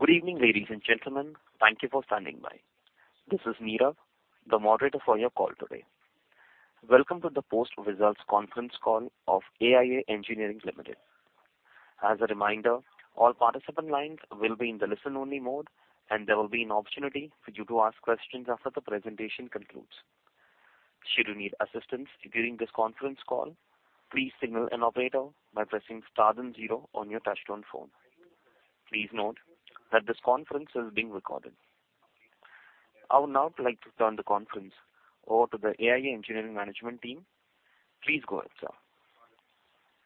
Good evening, ladies and gentlemen. Thank you for standing by. This is Nirav, the Moderator for your call today. Welcome to the post-results conference call of AIA Engineering Limited. As a reminder, all participant lines will be in the listen-only mode, and there will be an opportunity for you to ask questions after the presentation concludes. Should you need assistance during this conference call, please signal an operator by pressing star then zero on your touchtone phone. Please note that this conference is being recorded. I would now like to turn the conference over to the AIA Engineering management team. Please go ahead, sir.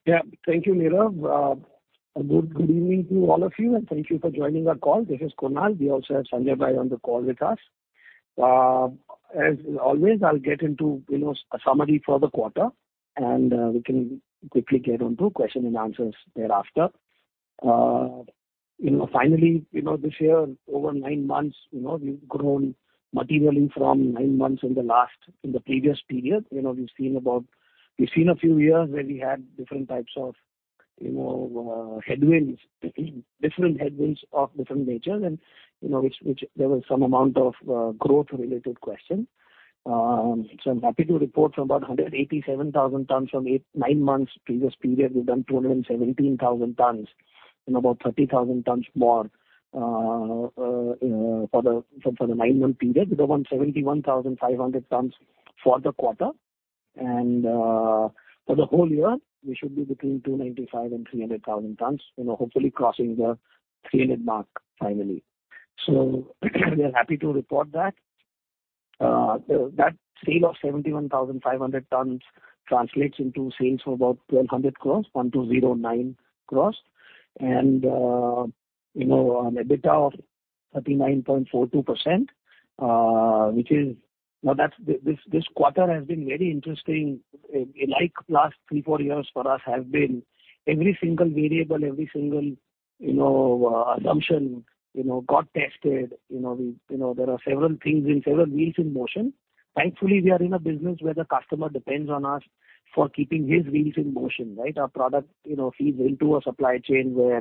Yeah. Thank you, Nirav. A good evening to all of you, and thank you for joining our call. This is Kunal. We also have Sanjay bhai on the call with us. As always, I'll get into, you know, a summary for the quarter, and we can quickly get on to question and answers thereafter. Finally, you know, this year, over nine months, you know, we've grown materially from nine months in the last, in the previous period. You know, we've seen a few years where we had different types of, you know, headwinds, different headwinds of different nature and, you know, which there was some amount of, growth-related question. So I'm happy to report from about 187,000 tons from eight, nine months previous period, we've done 217,000 tons and about 30,000 tons more for the nine-month period. We've done 71,500 tons for the quarter. For the whole year we should be between 295,000-300,000 tons. You know, hopefully crossing the 300 mark finally. We are happy to report that. That sale of 71,500 tons translates into sales of about 1,200 crore, 1,209 crore. You know, on EBITDA of 39.42%, which is... You know, that's, this quarter has been very interesting, like last three, four years for us have been. Every single variable, every single, you know, assumption, you know, got tested. You know, we, you know, there are several wheels in motion. We are in a business where the customer depends on us for keeping his wheels in motion, right? Our product, you know, feeds into a supply chain where,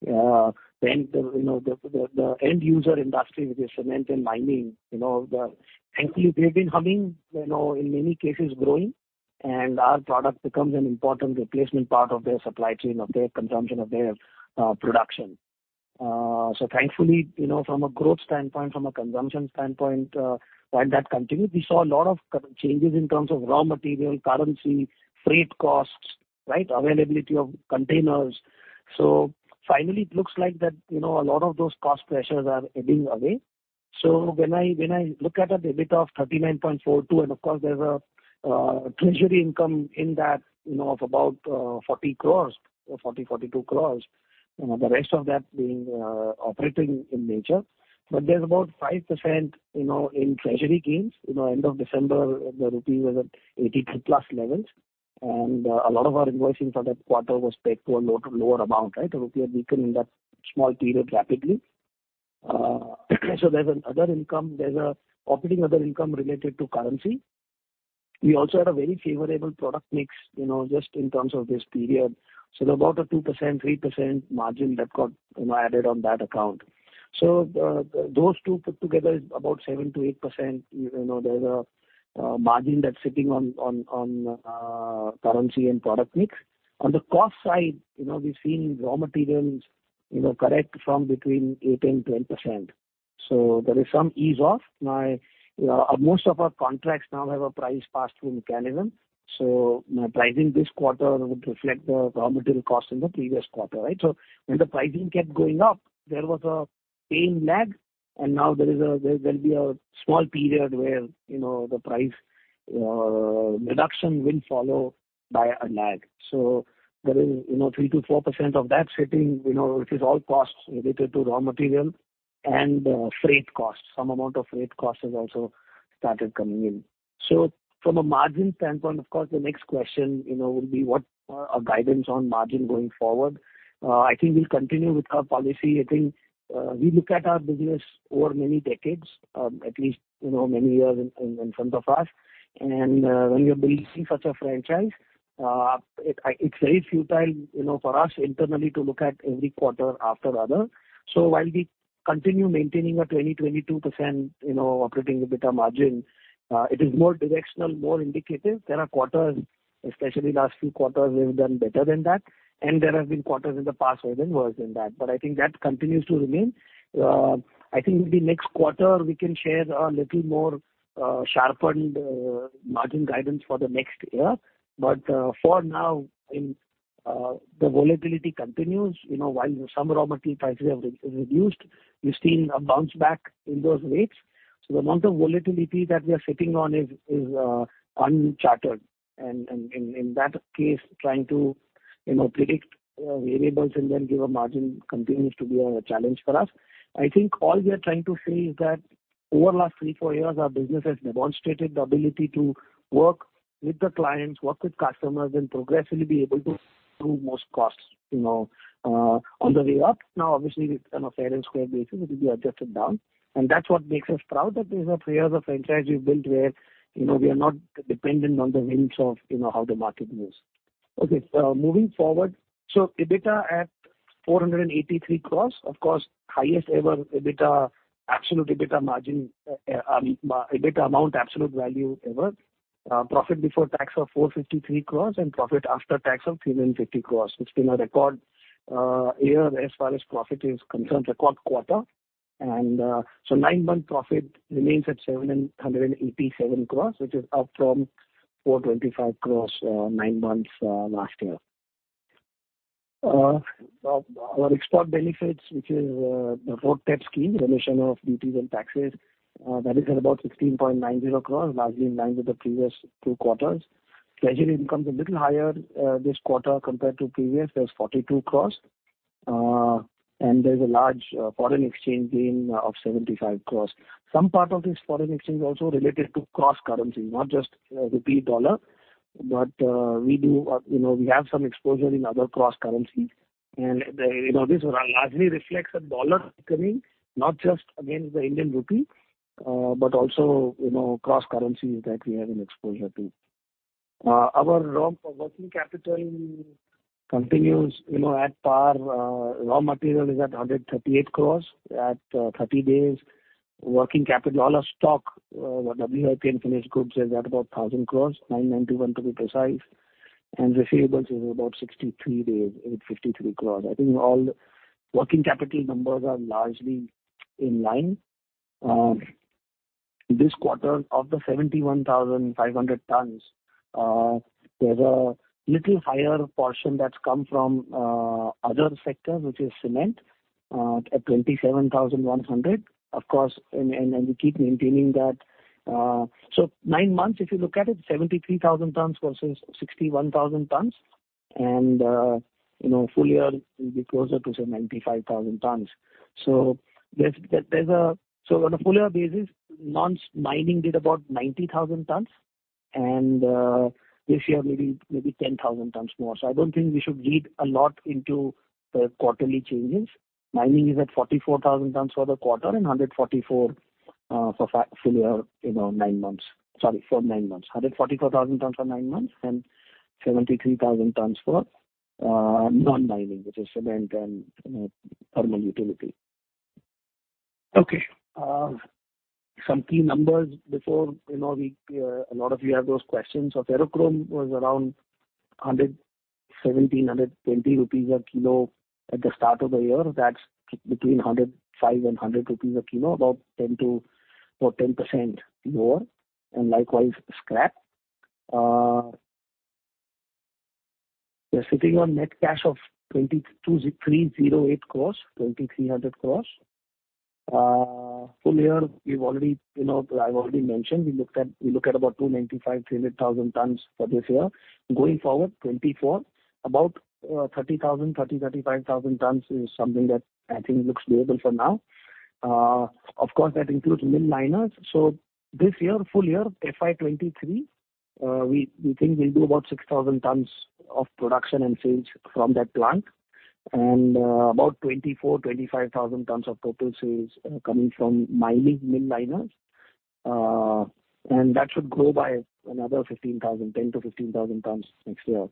you know, the end user industry, which is cement and mining, they've been humming, you know, in many cases growing, our product becomes an important replacement part of their supply chain, of their consumption, of their production. You know, from a growth standpoint, from a consumption standpoint, while that continued, we saw a lot of changes in terms of raw material, currency, freight costs, right? Availability of containers. Finally it looks like that, you know, a lot of those cost pressures are ebbing away. When I, when I look at an EBITDA of 39.42, and of course there's a Treasury income in that, you know, of about 40 crore or 42 crore. You know, the rest of that being operating in nature. There's about 5%, you know, in Treasury gains. You know, end of December the rupee was at 82+ levels, and a lot of our invoicing for that quarter was paid to a lower amount, right? The rupee had weakened in that small period rapidly. There's an other income, there's a operating other income related to currency. We also had a very favorable product mix, you know, just in terms of this period. About a 2%-3% margin that got, you know, added on that account. Those two put together is about 7%-8%. You know, there's a margin that's sitting on currency and product mix. On the cost side, you know, we've seen raw materials, you know, correct from between 8% and 10%. There is some ease off. Most of our contracts now have a price pass-through mechanism, so my pricing this quarter would reflect the raw material cost in the previous quarter, right? When the pricing kept going up, there was a paying lag and now there is a small period where, you know, the price reduction will follow by a lag. There is, you know, 3%-4% of that sitting, you know, which is all costs related to raw material and freight costs. Some amount of freight costs has also started coming in. From a margin standpoint, of course, the next question, you know, would be what our guidance on margin going forward. I think we'll continue with our policy. I think we look at our business over many decades, at least, you know, many years in front of us. When you're building such a franchise, it's very futile, you know, for us internally to look at every quarter after the other. While we continue maintaining a 20%-22%, you know, operating EBITDA margin, it is more directional, more indicative. There are quarters, especially last few quarters, we've done better than that, and there have been quarters in the past where we're worse than that. I think that continues to remain. I think maybe next quarter we can share a little more sharpened margin guidance for the next year. For now in the volatility continues. You know, while some raw material prices have reduced, we've seen a bounce back in those rates. The amount of volatility that we are sitting on is uncharted. In that case, trying to, you know, predict variables and then give a margin continues to be a challenge for us. I think all we are trying to say is that over last three, four years, our business has demonstrated the ability to work with the clients, work with customers, and progressively be able to improve most costs, you know, on the way up. Now, obviously with an fair and square basis, it will be adjusted down. That's what makes us proud that there's a three years of franchise we've built where, you know, we are not dependent on the whims of, you know, how the market moves. Okay. Moving forward, so EBITDA at 483 crore. Of course, highest ever EBITDA, absolute EBITDA margin, I mean, EBITDA amount absolute value ever. Profit before tax of 453 crore and profit after tax of 350 crore, it's been a record year as far as profit is concerned, record quarter. Nine-month profit remains at 787 crore, which is up from 425 crore nine months last year. Our export benefits, which is the road tax scheme, Remission of Duties and Taxes, that is at about 16.90 crore, largely in line with the previous two quarters. Treasury income is a little higher this quarter compared to previous. There's 42 crore. There's a large foreign exchange gain of 75 crore. Some part of this foreign exchange also related to cross currency, not just rupee dollar, but we do, you know, we have some exposure in other cross currency. This largely reflects a dollar coming not just against the Indian rupee, but also, you know, cross currency that we have an exposure to. Our raw working capital continues, you know, at par. Raw material is at 138 crore at 30 days. Working capital, all our stock, WIP and finished goods is at about 1,000 crore, 991 to be precise. Receivables is about 63 days, 853 crore. I think all working capital numbers are largely in line. This quarter of the 71,500 tons, there's a little higher portion that's come from other sector, which is cement, at 27,100. Of course, and we keep maintaining that. So, nine months, if you look at it, 73,000 tons versus 61,000 tons. You know, full year will be closer to say 95,000 tons. On a full year basis, non-mining did about 90,000 tons. This year maybe 10,000 tons more. I don't think we should read a lot into the quarterly changes. Mining is at 44,000 tons for the quarter and 144 for full year, you know, nine months. Sorry, for nine months. 144,000 tons for nine months and 73,000 tons for non-mining, which is cement and, you know, thermal utility. Okay. Some key numbers before, you know, we, a lot of you have those questions. Ferrochrome was around 117 rupees, 120 rupees a kilo at the start of the year. That's between 105 and 100 rupees a kilo, about 10% more. Likewise, scrap. We're sitting on net cash of 22,308 crore, 2,300 crore. Full year we've already, you know, I've already mentioned, we look at about 295,000-300,000 tons for this year. Going forward, 2024. About 30,000-35,000 tons is something that I think looks doable for now. Of course, that includes mill liners. This year, full year, FY 2023, we think we'll do about 6,000 tons of production and sales from that plant. About 24,000-25,000 tons of total sales coming from mining mill liners. That should grow by another 15,000, 10,000-15,000 tons next year.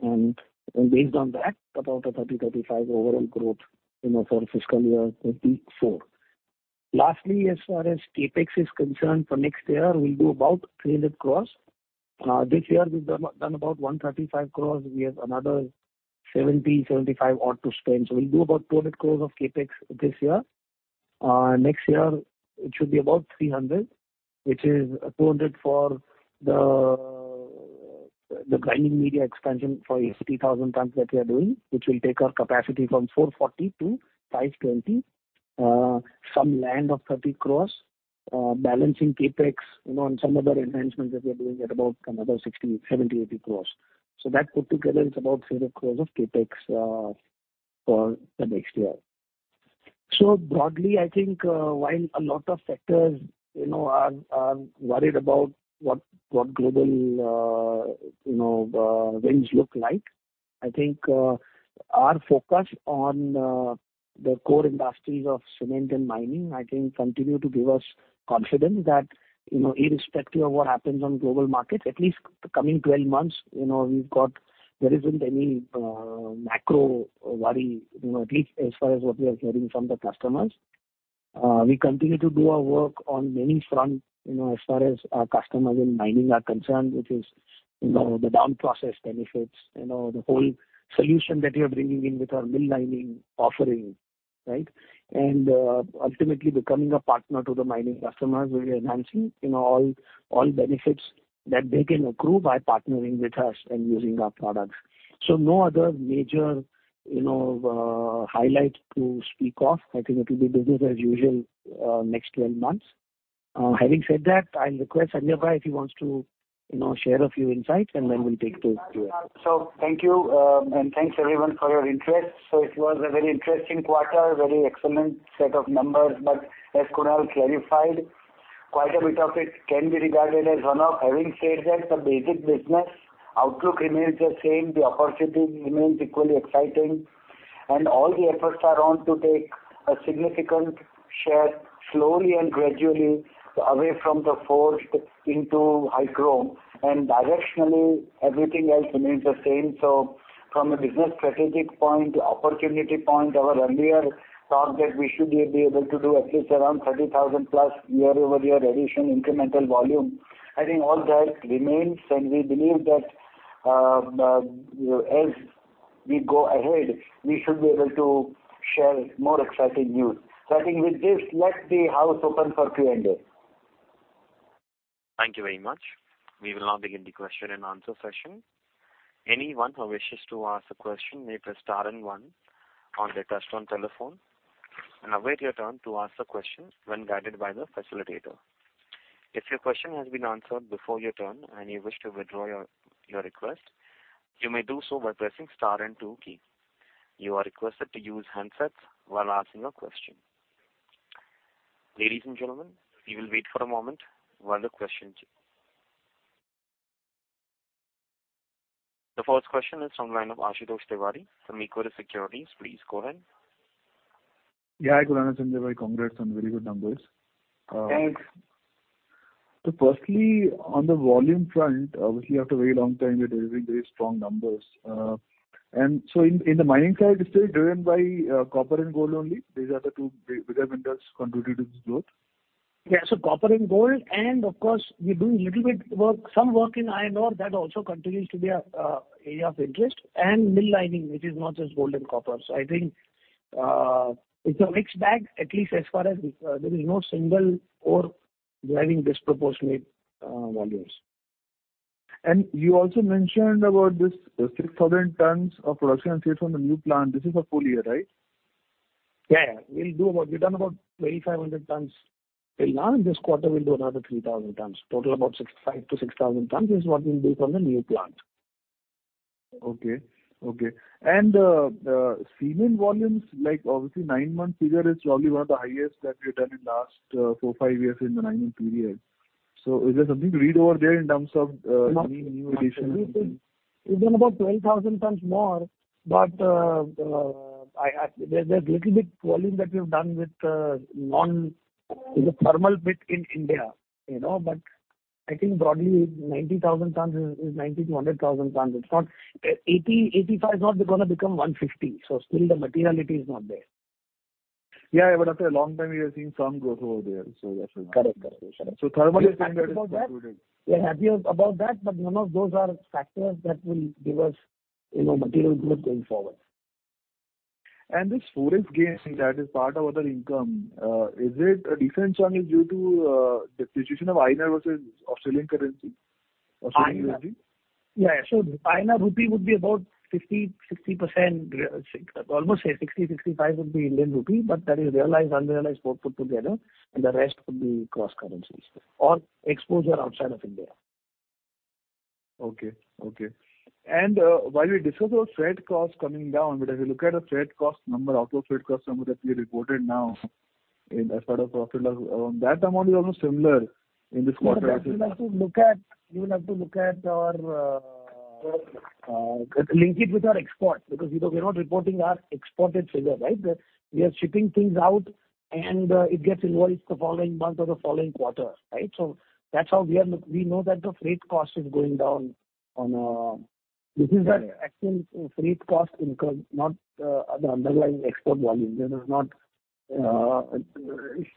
Based on that, about a 30%-35% overall growth, you know, for fiscal year 2024. Lastly, as far as CapEx is concerned, for next year we'll do about 300 crore. This year we've done about 135 crore. We have another 70-75 odd to spend. We'll do about 200 crore of CapEx this year. Next year it should be about 300, which is 200 for the grinding media expansion for 80,000 tons that we are doing, which will take our capacity from 440 to 520. Some land of 30 crore, balancing CapEx, you know, and some other enhancements that we're doing at about another 60-80 crore. That put together is about 300 crore of CapEx for the next year. Broadly, I think, while a lot of sectors, you know, are worried about what global, you know, winds look like, I think, our focus on the core industries of cement and mining, I think continue to give us confidence that, you know, irrespective of what happens on global markets, at least the coming 12 months, you know, there isn't any macro worry, you know, at least as far as what we are hearing from the customers. We continue to do our work on many fronts, you know, as far as our customers in mining are concerned, which is, you know, the down process benefits, you know, the whole solution that we are bringing in with our mill mining offering, right? Ultimately becoming a partner to the mining customers. We're enhancing, you know, all benefits that they can accrue by partnering with us and using our products. No other major, you know, highlight to speak of. I think it'll be business as usual, next 12 months. I'll request Sanjay, if he wants to, you know, share a few insights, and then we'll take to Q&A. Thank you, and thanks everyone for your interest. It was a very interesting quarter, very excellent set of numbers. As Kunal clarified, quite a bit of it can be regarded as one-off. Having said that, the basic business outlook remains the same. The opportunity remains equally exciting. All the efforts are on to take a significant share slowly and gradually away from the forged into High Chrome. Directionally everything else remains the same. From a business strategic point, opportunity point, our earlier target, we should be able to do at least around 30,000 plus year-over-year addition incremental volume. I think all that remains, and we believe that, as we go ahead, we should be able to share more exciting news. I think with this, let the house open for Q&A. Thank you very much. We will now begin the question and answer session. Anyone who wishes to ask a question may press star and one on their touchtone telephone and await your turn to ask the question when guided by the facilitator. If your question has been answered before your turn and you wish to withdraw your request, you may do so by pressing star and two key. You are requested to use handsets while asking a question. Ladies and gentlemen, we will wait for a moment while the questions. The first question is from the line of Ashutosh Tiwari from Equirus Securities. Please go ahead. Yeah, hi, Kunal and Sanjay. Congrats on very good numbers. Thanks. Firstly, on the volume front, obviously after a very long time, you're delivering very strong numbers. In the mining side, it's still driven by copper and gold only. These are the two bigger vendors contributing to the growth. Yeah. copper and gold, and of course, we're doing little bit work, some work in iron ore that also continues to be an area of interest and Mill Lining, which is not just gold and copper. I think, it's a mixed bag, at least as far as there is no single ore driving disproportionate volumes. You also mentioned about this 6,000 tons of production and sales from the new plant. This is a full year, right? Yeah. We've done about 2,500 tons till now, this quarter we'll do another 3,000 tons. Total about 5,000-6,000 tons is what we'll do from the new plant. Okay. Okay. The cement volumes, like, obviously nine months figure is probably one of the highest that we've done in last, four, five years in the mining period. Is there something to read over there in terms of, any new additions? We've done about 12,000 tons more, but there's little bit volume that we've done with in the thermal bit in India, you know. I think broadly 90,000 tons is 90,000-100,000 tons. 80, 85 is not gonna become 150. Still the materiality is not there. Yeah. After a long time we are seeing some growth over there. Correct. Thermal is something that is excluded. We're happy about that, but none of those are factors that will give us, you know, material growth going forward. This forest gain that is part of other income, is it a different channel due to depreciation of INR versus Australian currency? INR. Yeah. INR rupee would be about 50%-60%. Almost say 60%-65% would be Indian rupee, but that is realized, unrealized, both put together, and the rest would be cross currencies or exposure outside of India. Okay. Okay. While we discuss about freight cost coming down, but if you look at the freight cost number, outflow freight cost number that we reported now in as part of profit loss, that amount is almost similar in this quarter as well. You will have to look at. Link it with our export because we're not reporting our exported figures, right? We are shipping things out and it gets invoiced the following month or the following quarter, right? We know that the freight cost is going down on. This is that actual freight cost incurred, not the underlying export volume. This does not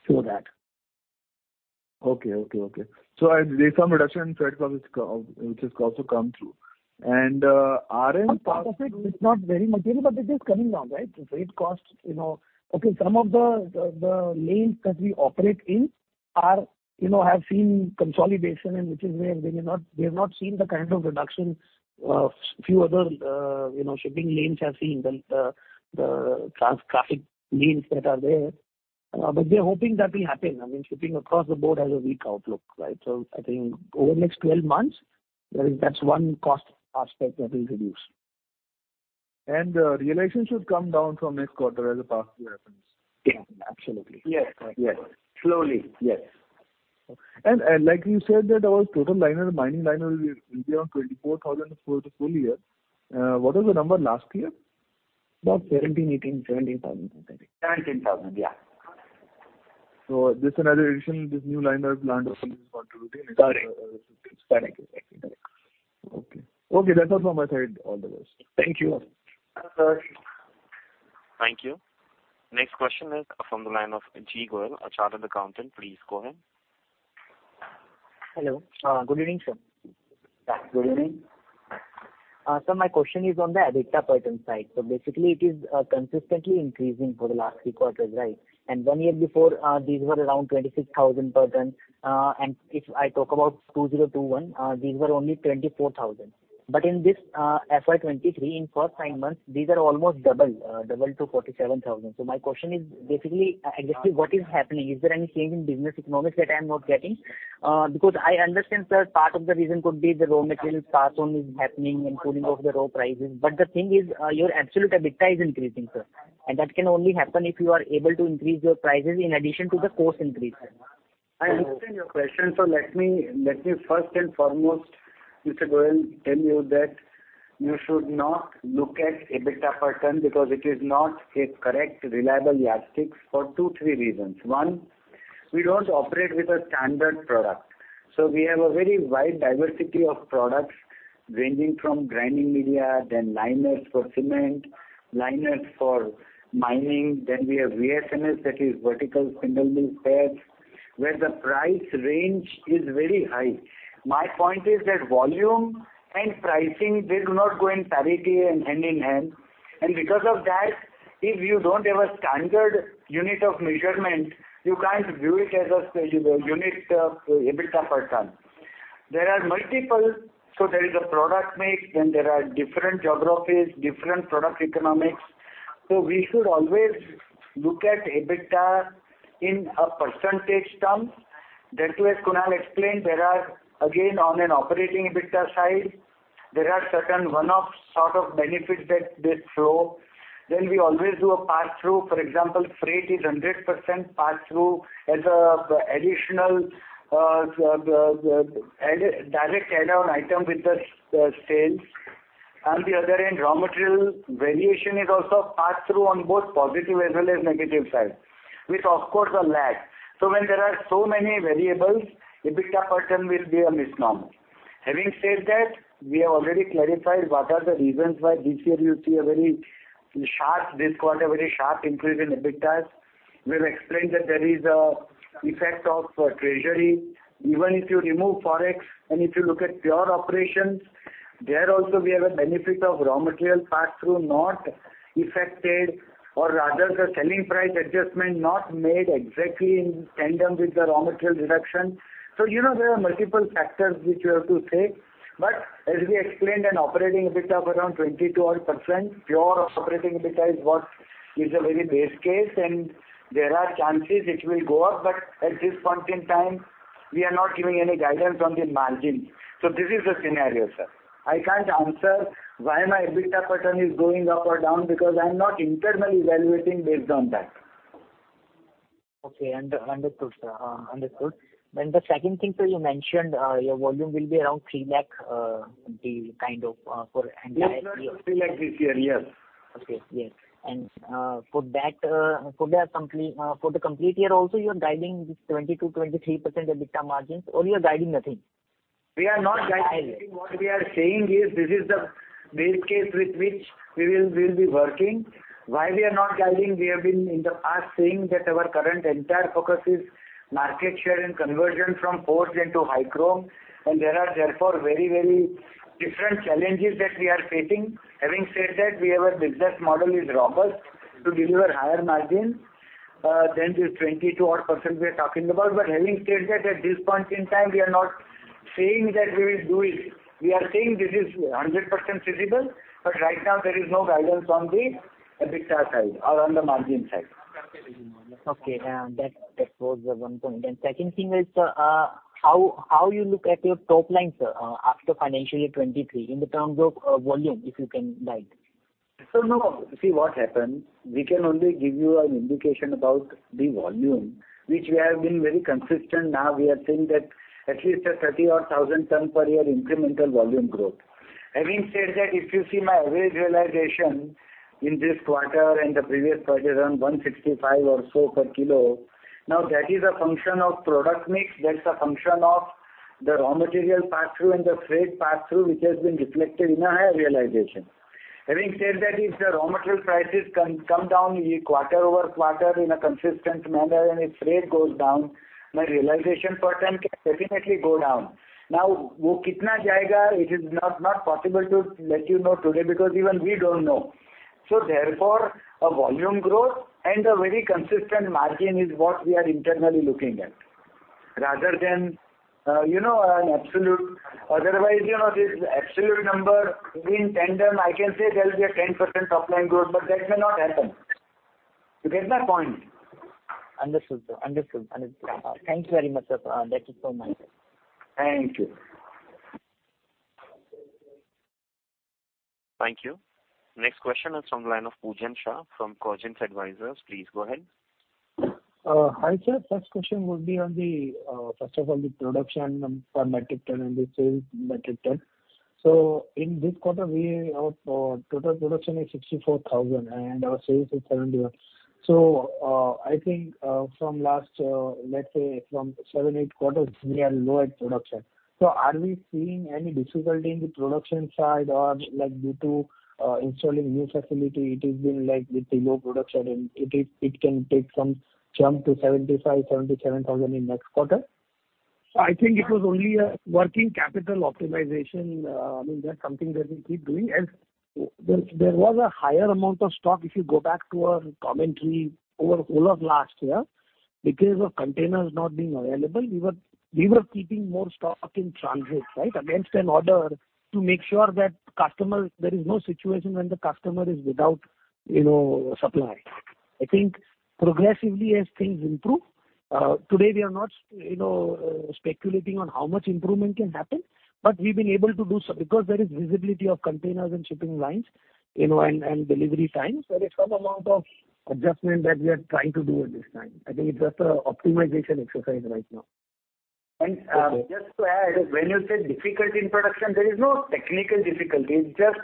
show that. Okay. As there's some reduction in freight cost which has also come through. Part of it is not very material, but it is coming down, right? The freight costs, you know. Okay, some of the lanes that we operate in are, you know, have seen consolidation and which is where we have not seen the kind of reduction, few other, you know, shipping lanes have seen, the trans-traffic lanes that are there. We are hoping that will happen. I mean, shipping across the board has a weak outlook, right? I think over the next 12 months, that is, that's one cost aspect that will reduce. Realization should come down from next quarter as the past year happens. Yeah. Absolutely. Yes. Yes. Slowly. Yes. Like you said that our total liner, mining liner will be around 24,000 for the full year. What was the number last year? About 17, 18, 17,000, I think. 17,000, yeah. This another addition, this new liner plant is contributing. Correct. Okay. Okay. That's all from my side. All the best. Thank you. Thank you. Next question is from the line of G. Goyal, a Chartered Accountant. Please go ahead. Hello. Good evening, sir. Good evening. Sir, my question is on the EBITDA per ton side. Basically it is consistently increasing for the last three quarters, right? One year before, these were around 26,000 per ton. If I talk about 2021, these were only 24,000. In this FY 2023, in first nine months, these are almost double to 47,000. My question is basically, exactly what is happening? Is there any change in business economics that I'm not getting? Because I understand, sir, part of the reason could be the raw material pass on is happening and pulling off the raw prices. The thing is, your absolute EBITDA is increasing, sir. That can only happen if you are able to increase your prices in addition to the cost increase. I understand your question, let me first and foremost, Mr. Goyal, tell you that you should not look at EBITDA per ton because it is not a correct, reliable yardstick for two, three reasons. One, we don't operate with a standard product. We have a very wide diversity of products ranging from grinding media, then liners for cement, liners for mining, then we have VSM, that is vertical single mill tabs, where the price range is very high. My point is that volume and pricing, they do not go in parity and hand in hand. Because of that, if you don't have a standard unit of measurement, you can't view it as a unit of EBITDA per ton. There are multiple. There is a product mix, then there are different geographies, different product economics. We should always look at EBITDA in a percentage term. That way Kunal explained there are, again, on an operating EBITDA side, there are certain one-off sort of benefits that they throw. We always do a pass-through. For example, freight is 100% pass-through as a, the additional, the add a direct add-on item with the sales. On the other end, raw material variation is also pass-through on both positive as well as negative side, with of course a lag. When there are so many variables, EBITDA per ton will be a misnomer. Having said that, we have already clarified what are the reasons why this year you see a very sharp, this quarter very sharp increase in EBITDA. We've explained that there is a effect of Treasury. Even if you remove Forex, if you look at pure operations, there also we have a benefit of raw material pass-through not affected, or rather the selling price adjustment not made exactly in tandem with the raw material reduction. You know, there are multiple factors which you have to take. As we explained, an operating EBITDA of around 22% odd, pure operating EBITDA is what is a very base case, and there are chances it will go up. At this point in time, we are not giving any guidance on the margin. This is the scenario, sir. I can't answer why my EBITDA pattern is going up or down because I'm not internally evaluating based on that. Okay. understood, sir. understood. The second thing, you mentioned, your volume will be around 3 lakh, the kind of, for entire year. It's not 3 lakh this year. Yes. Okay. Yes. For that complete, for the complete year also, you are guiding this 20%-23% EBITDA margins or you are guiding nothing? We are not guiding. High level. What we are saying is this is the base case with which we will be working. Why we are not guiding? We have been in the past saying that our current entire focus is market share and conversion from forged into High Chrome. There are therefore very, very different challenges that we are facing. Having said that, we have a business model is robust to deliver higher margins than this 22 odd % we are talking about. Having said that, at this point in time, we are not saying that we will do it. We are saying this is 100% feasible, but right now there is no guidance on the EBITDA side or on the margin side. Okay. That, that was one point. Second thing is, how you look at your topline, sir, after financial 2023 in terms of volume, if you can guide. See what happens, we can only give you an indication about the volume which we have been very consistent. We are saying that at least a 30,000 odd ton per year incremental volume growth. Having said that, if you see my average realization in this quarter and the previous quarter is around 165 or so per kilo. That is a function of product mix, that's a function of the raw material pass-through and the freight pass-through, which has been reflected in a higher realization. Having said that, if the raw material prices can come down quarter-over-quarter in a consistent manner, and if freight goes down, my realization per ton can definitely go down. It is not possible to let you know today because even we don't know. Therefore, a volume growth and a very consistent margin is what we are internally looking at rather than, you know, an absolute. Otherwise, you know, this absolute number in tandem, I can say there will be a 10% top line growth, but that may not happen. You get my point? Understood, sir. Understood. Understood. Thank you very much, sir. That is all my side. Thank you. Thank you. Next question is from the line of Pujan Shah from Congruence Advisers. Please go ahead. Hi, sir. First question would be on the first of all, the production for metric ton and the sales metric ton. In this quarter, we have total production is 64,000 and our sales is 71. I think from last, let's say from seven, eight quarters, we are low at production. Are we seeing any difficulty in the production side or like due to installing new facility, it has been like with the low production and it is, it can take some jump to 75,000, 77,000 in next quarter? I think it was only a working capital optimization. I mean, that's something that we keep doing. As there was a higher amount of stock, if you go back to our commentary over whole of last year. Because of containers not being available, we were keeping more stock in transit, right? Against an order to make sure that customers, there is no situation when the customer is without, you know, supply. I think progressively as things improve, today we are not, you know. Speculating on how much improvement can happen, but we've been able to do so because there is visibility of containers and shipping lines, you know, and delivery times. There is some amount of adjustment that we are trying to do at this time. I think it's just a optimization exercise right now. Just to add, when you say difficulty in production, there is no technical difficulty. It's just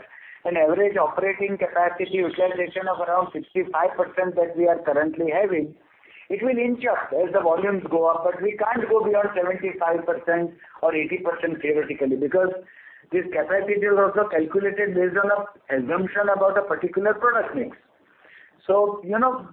an average operating capacity utilization of around 65% that we are currently having. It will inch up as the volumes go up, but we can't go beyond 75% or 80% theoretically because this capacity is also calculated based on a assumption about a particular product mix. So, you know,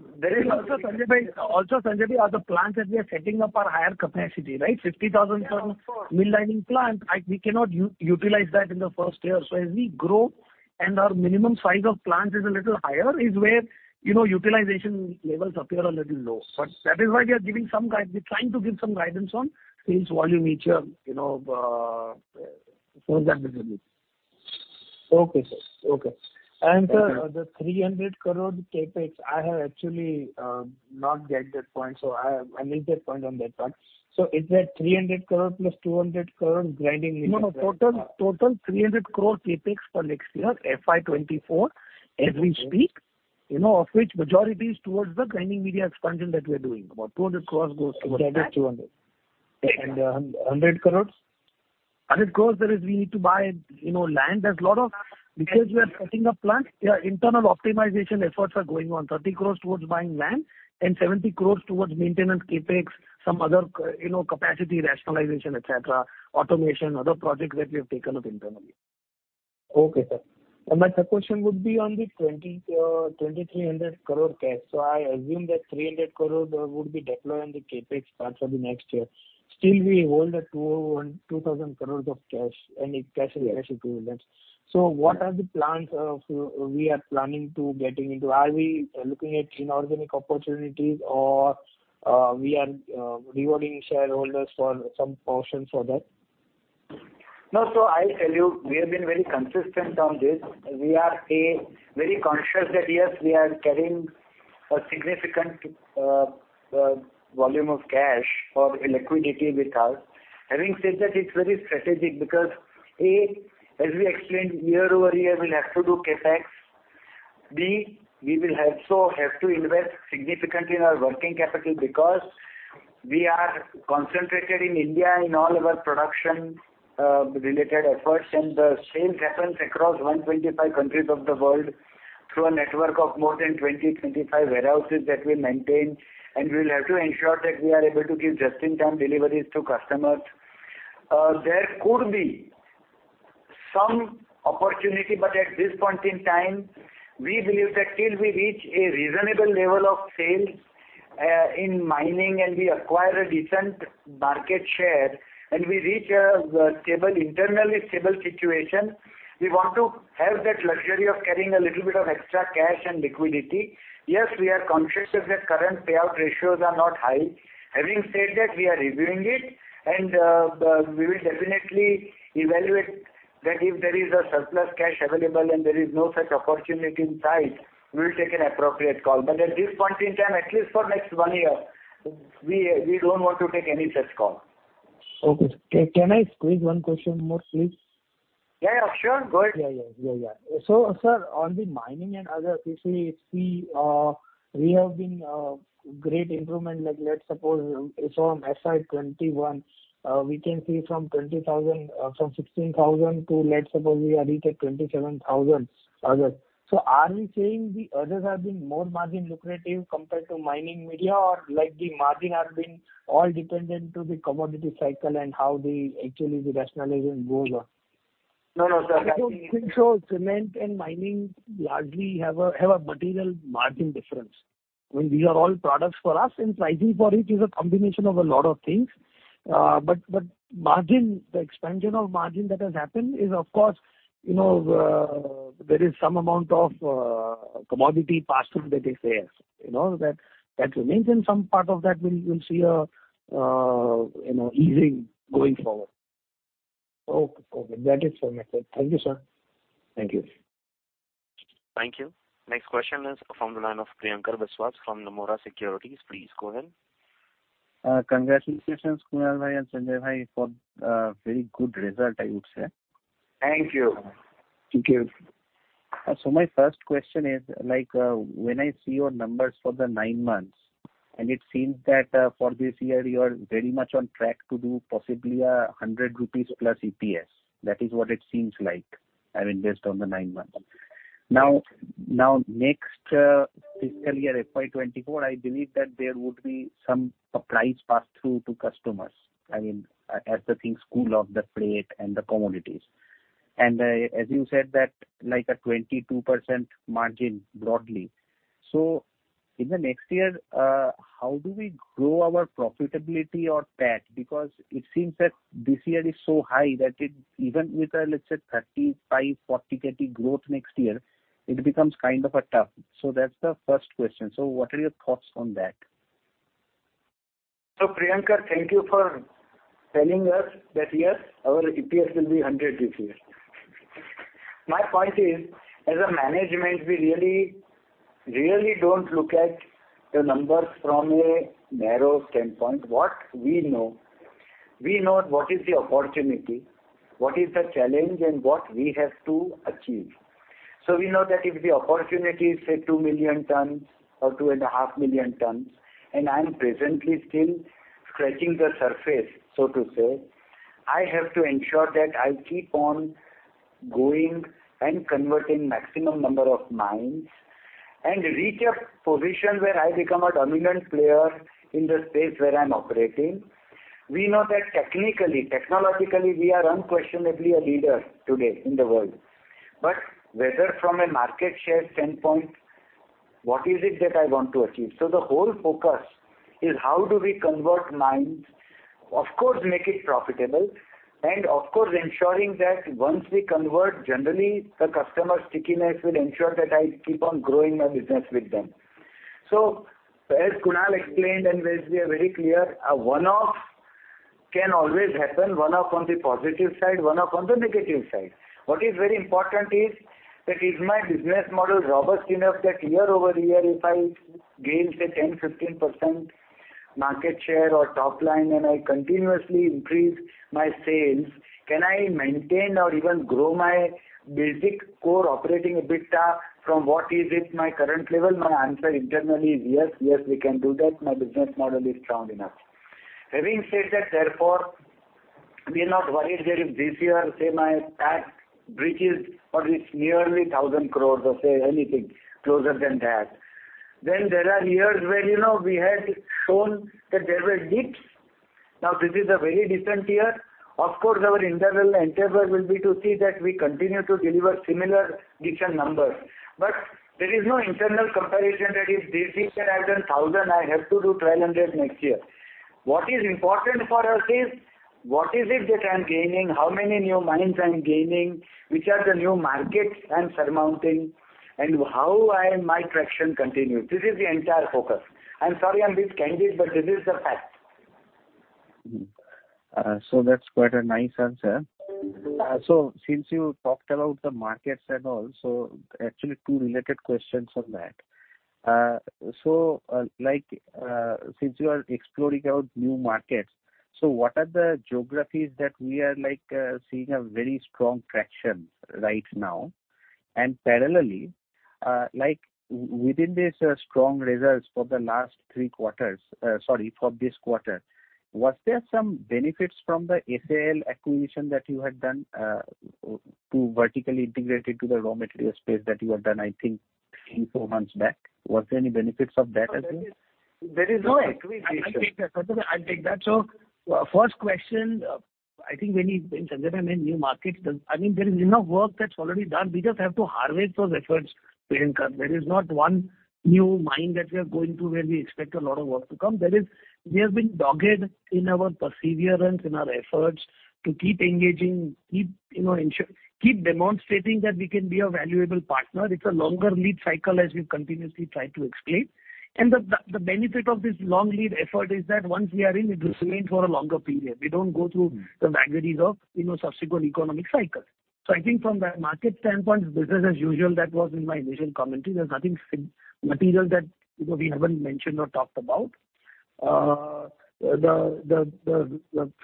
Also Sanjay Majmudar, are the plants that we are setting up are higher capacity, right? 50,000 ton Mill Lining plant, we cannot utilize that in the first year. As we grow and our minimum size of plant is a little higher, is where, you know, utilization levels appear a little low. That is why we're trying to give some guidance On sales volume each year, you know, for that visibility. Okay, sir. Okay. Sir, the 300 crore CapEx, I have actually not get that point, so I missed that point on that one. Is that 300 crore plus 200 crore grinding media? No. Total 300 crore CapEx for next year, FY 2024, as we speak, you know, of which majority is towards the grinding media expansion that we are doing. About 200 crore goes towards that. That is 200. Yeah. 100 crore? 100 crore, there is we need to buy, you know, land. There's a lot of. We are setting up plant, yeah, internal optimization efforts are going on. 30 crore towards buying land and 70 crore towards maintenance CapEx, some other, you know, capacity rationalization, et cetera, automation, other projects that we have taken up internally. Okay, sir. My third question would be on the 2,300 crore cash. I assume that 300 crore would be deployed on the CapEx part for the next year. Still we hold 2,000 crore of cash, any cash and equivalents. What are the plans of, we are planning to getting into? Are we looking at inorganic opportunities or, we are, rewarding shareholders for some portion for that? No. I'll tell you, we have been very consistent on this. We are, A, very conscious that, yes, we are carrying a significant volume of cash or liquidity with us. Having said that, it's very strategic because, A, as we explained year-over-year, we'll have to do CapEx. B, we will also have to invest significantly in our working capital because we are concentrated in India in all our production related efforts, and the sales happens across 125 countries of the world through a network of more than 20, 25 warehouses that we maintain, and we'll have to ensure that we are able to give just-in-time deliveries to customers. There could be some opportunity, but at this point in time, we believe that till we reach a reasonable level of sales in mining and we acquire a decent market share and we reach a stable, internally stable situation, we want to have that luxury of carrying a little bit of extra cash and liquidity. Yes, we are conscious that the current payout ratios are not high. Having said that, we are reviewing it and we will definitely evaluate that if there is a surplus cash available and there is no such opportunity in sight, we will take an appropriate call. At this point in time, at least for next one year, we don't want to take any such call. Okay. Can I squeeze one question more, please? Yeah, yeah, sure. Go ahead. Yeah, yeah. Yeah, yeah. Sir, on the mining and other issues, if we have been great improvement, like let's suppose from FY 2021, we can see from 20,000, from 16,000 to let's suppose we have reached at 27,000 others. Are we saying the others have been more margin-lucrative compared to mining media or like the margin have been all dependent to the commodity cycle and how the actually the rationalization goes on? No, no, sir. I don't think so. Cement and mining largely have a material margin difference. I mean, these are all products for us, and pricing for it is a combination of a lot of things. But margin, the expansion of margin that has happened is of course, you know, there is some amount of commodity pass-through that is there. You know, that remains, and some part of that we'll see a, you know, easing going forward. Okay, okay. That is from my side. Thank you, sir. Thank you. Thank you. Next question is from the line of Priyankar Biswas from Nomura Securities. Please go ahead. Congratulations Kunal bhai and Sanjay Majmudar for very good result, I would say. Thank you. Thank you. My first question is, like, when I see your numbers for the nine months, it seems that for this year you are very much on track to do possibly 100 rupees plus EPS. That is what it seems like, I mean, based on the nine months. Next fiscal year FY 2024, I believe that there would be some price pass-through to customers. I mean, as the things cool off the freight and the commodities. As you said that, like a 22% margin broadly. In the next year, how do we grow our profitability or PAT? Because it seems that this year is so high that it even with a, let's say, 35, 40 KT growth next year, it becomes kind of a tough. That's the first question. What are your thoughts on that? Priyankar, thank you for telling us that, yes, our EPS will be 100 this year. My point is, as a management, we really, really don't look at the numbers from a narrow standpoint. What we know, we know what is the opportunity, what is the challenge, and what we have to achieve. We know that if the opportunity is, say, 2 million tons or 2.5 million tons, and I'm presently still scratching the surface, so to say, I have to ensure that I keep on going and converting maximum number of mines and reach a position where I become a dominant player in the space where I'm operating. We know that technically, technologically, we are unquestionably a leader today in the world. Whether from a market share standpoint, what is it that I want to achieve? The whole focus is how do we convert mines? Of course, make it profitable, of course, ensuring that once we convert, generally the customer stickiness will ensure that I keep on growing my business with them. As Kunal explained, and as we are very clear, a one-off can always happen, one-off on the positive side, one-off on the negative side. What is very important is that is my business model robust enough that year over year, if I gain, say, 10%, 15% market share or top line and I continuously increase my sales, can I maintain or even grow my basic core operating EBITDA from what is it my current level? My answer internally is yes. Yes, we can do that. My business model is strong enough. Having said that, therefore, we are not worried that if this year, say, my tax breaches what is nearly 1,000 crore or, say, anything closer than that. There are years where, you know, we had shown that there were dips. This is a very different year. Of course, our internal endeavor will be to see that we continue to deliver similar decent numbers. There is no internal comparison that if this year I've done 1,000, I have to do 1,200 next year. What is important for us is what is it that I'm gaining? How many new mines I'm gaining, which are the new markets I'm surmounting, and how my traction continue. This is the entire focus. I'm sorry I'm this candid, but this is the fact. That's quite a nice answer. Since you talked about the markets and all, so actually two related questions on that. Since you are exploring out new markets, so what are the geographies that we are seeing a very strong traction right now? Parallelly, within this strong results for the last three quarters... Sorry, for this quarter, was there some benefits from the SAL acquisition that you had done to vertically integrate into the raw material space that you have done, I think three, four months back? Was there any benefits of that, I think? There is- No, I'll take that. Sorry, I'll take that. First question, I think when Sanjay new markets, I mean, there is enough work that's already done. We just have to harvest those efforts, Priyankar. There is not one new mine that we are going to where we expect a lot of work to come. We have been dogged in our perseverance, in our efforts to keep engaging, keep, you know, ensure, keep demonstrating that we can be a valuable partner. It's a longer lead cycle, as we've continuously tried to explain. The, the benefit of this long lead effort is that once we are in, it will remain for a longer period. We don't go through the vagaries of, you know, subsequent economic cycle. I think from the market standpoint, business as usual, that was in my initial commentary. There's nothing material that, you know, we haven't mentioned or talked about. The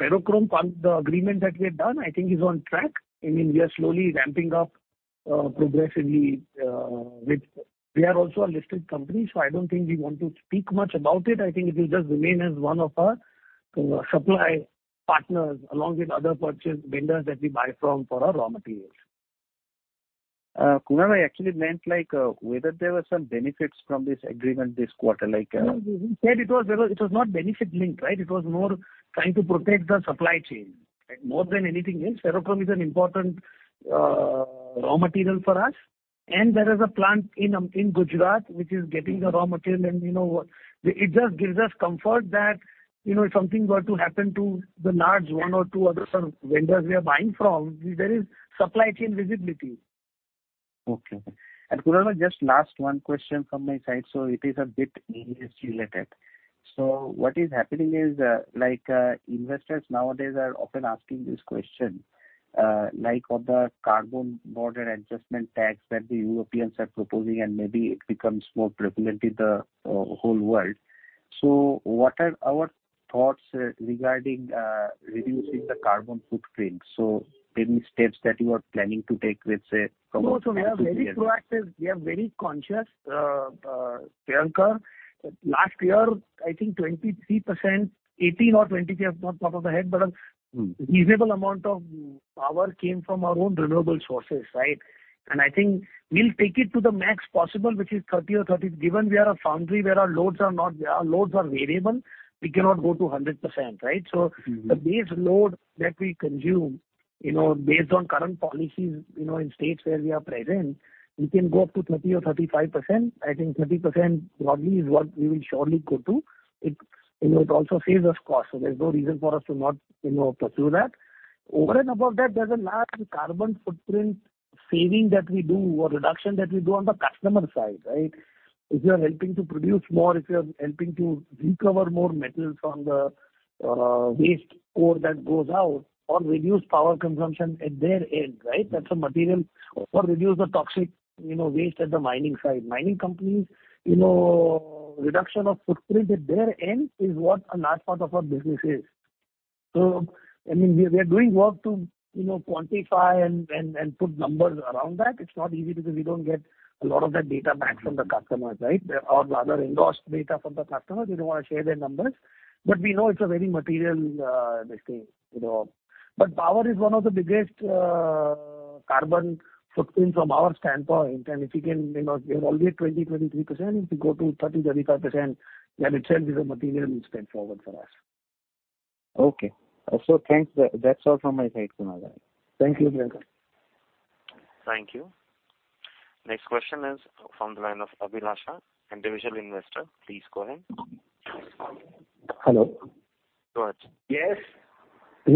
ferrochrome part, the agreement that we have done, I think is on track. I mean, we are slowly ramping up, progressively. We are also a listed company. I don't think we want to speak much about it. I think it will just remain as one of our supply partners along with other purchase vendors that we buy from for our raw materials. Kunal, I actually meant like, whether there were some benefits from this agreement this quarter, like? We said it was not benefit linked, right? It was more trying to protect the supply chain. More than anything else, ferrochrome is an important raw material for us. There is a plant in Gujarat which is getting the raw material. You know, it just gives us comfort that, you know, if something were to happen to the large one or two other sort of vendors we are buying from, there is supply chain visibility. Kunal, just last one question from my side. It is a bit ESG related. What is happening is, like investors nowadays are often asking this question, like of the Carbon Border Adjustment Mechanism that the Europeans are proposing, and maybe it becomes more prevalent in the whole world. What are our thoughts regarding reducing the carbon footprint? Any steps that you are planning to take, let's say. We are very proactive. We are very conscious, Priyankar. Last year, I think 23%, 18% or 23%, I've not thought of the head, but a reasonable amount of power came from our own renewable sources, right? I think we'll take it to the max possible, which is 30% or 30%. Given we are a foundry where our loads are variable, we cannot go to 100%, right? Mm-hmm. The base load that we consume, you know, based on current policies, you know, in states where we are present, we can go up to 30% or 35%. I think 30% broadly is what we will surely go to. It, you know, it also saves us cost, so there's no reason for us to not, you know, pursue that. Over and above that, there's a large carbon footprint saving that we do or reduction that we do on the customer side, right? If you are helping to produce more, if you're helping to recover more metals from the waste ore that goes out or reduce power consumption at their end, right? That's a material. Or reduce the toxic, you know, waste at the mining side. Mining companies, you know, reduction of footprint at their end is what a large part of our business is. I mean, we are doing work to, you know, quantify and put numbers around that. It's not easy because we don't get a lot of that data back from the customers, right? Or rather, endorsed data from the customers. They don't want to share their numbers. We know it's a very material, you know. Power is one of the biggest, carbon footprint from our standpoint. If you can, you know, we are only at 20%-23%. If we go to 30%-35%, that itself is a material step forward for us. Okay. Thanks. That's all from my side, Kunal. Thank you, Priyankar. Thank you. Next question is from the line of Abhilasha, Individual Investor. Please go ahead. Hello. Go ahead. Yes. Yes. Can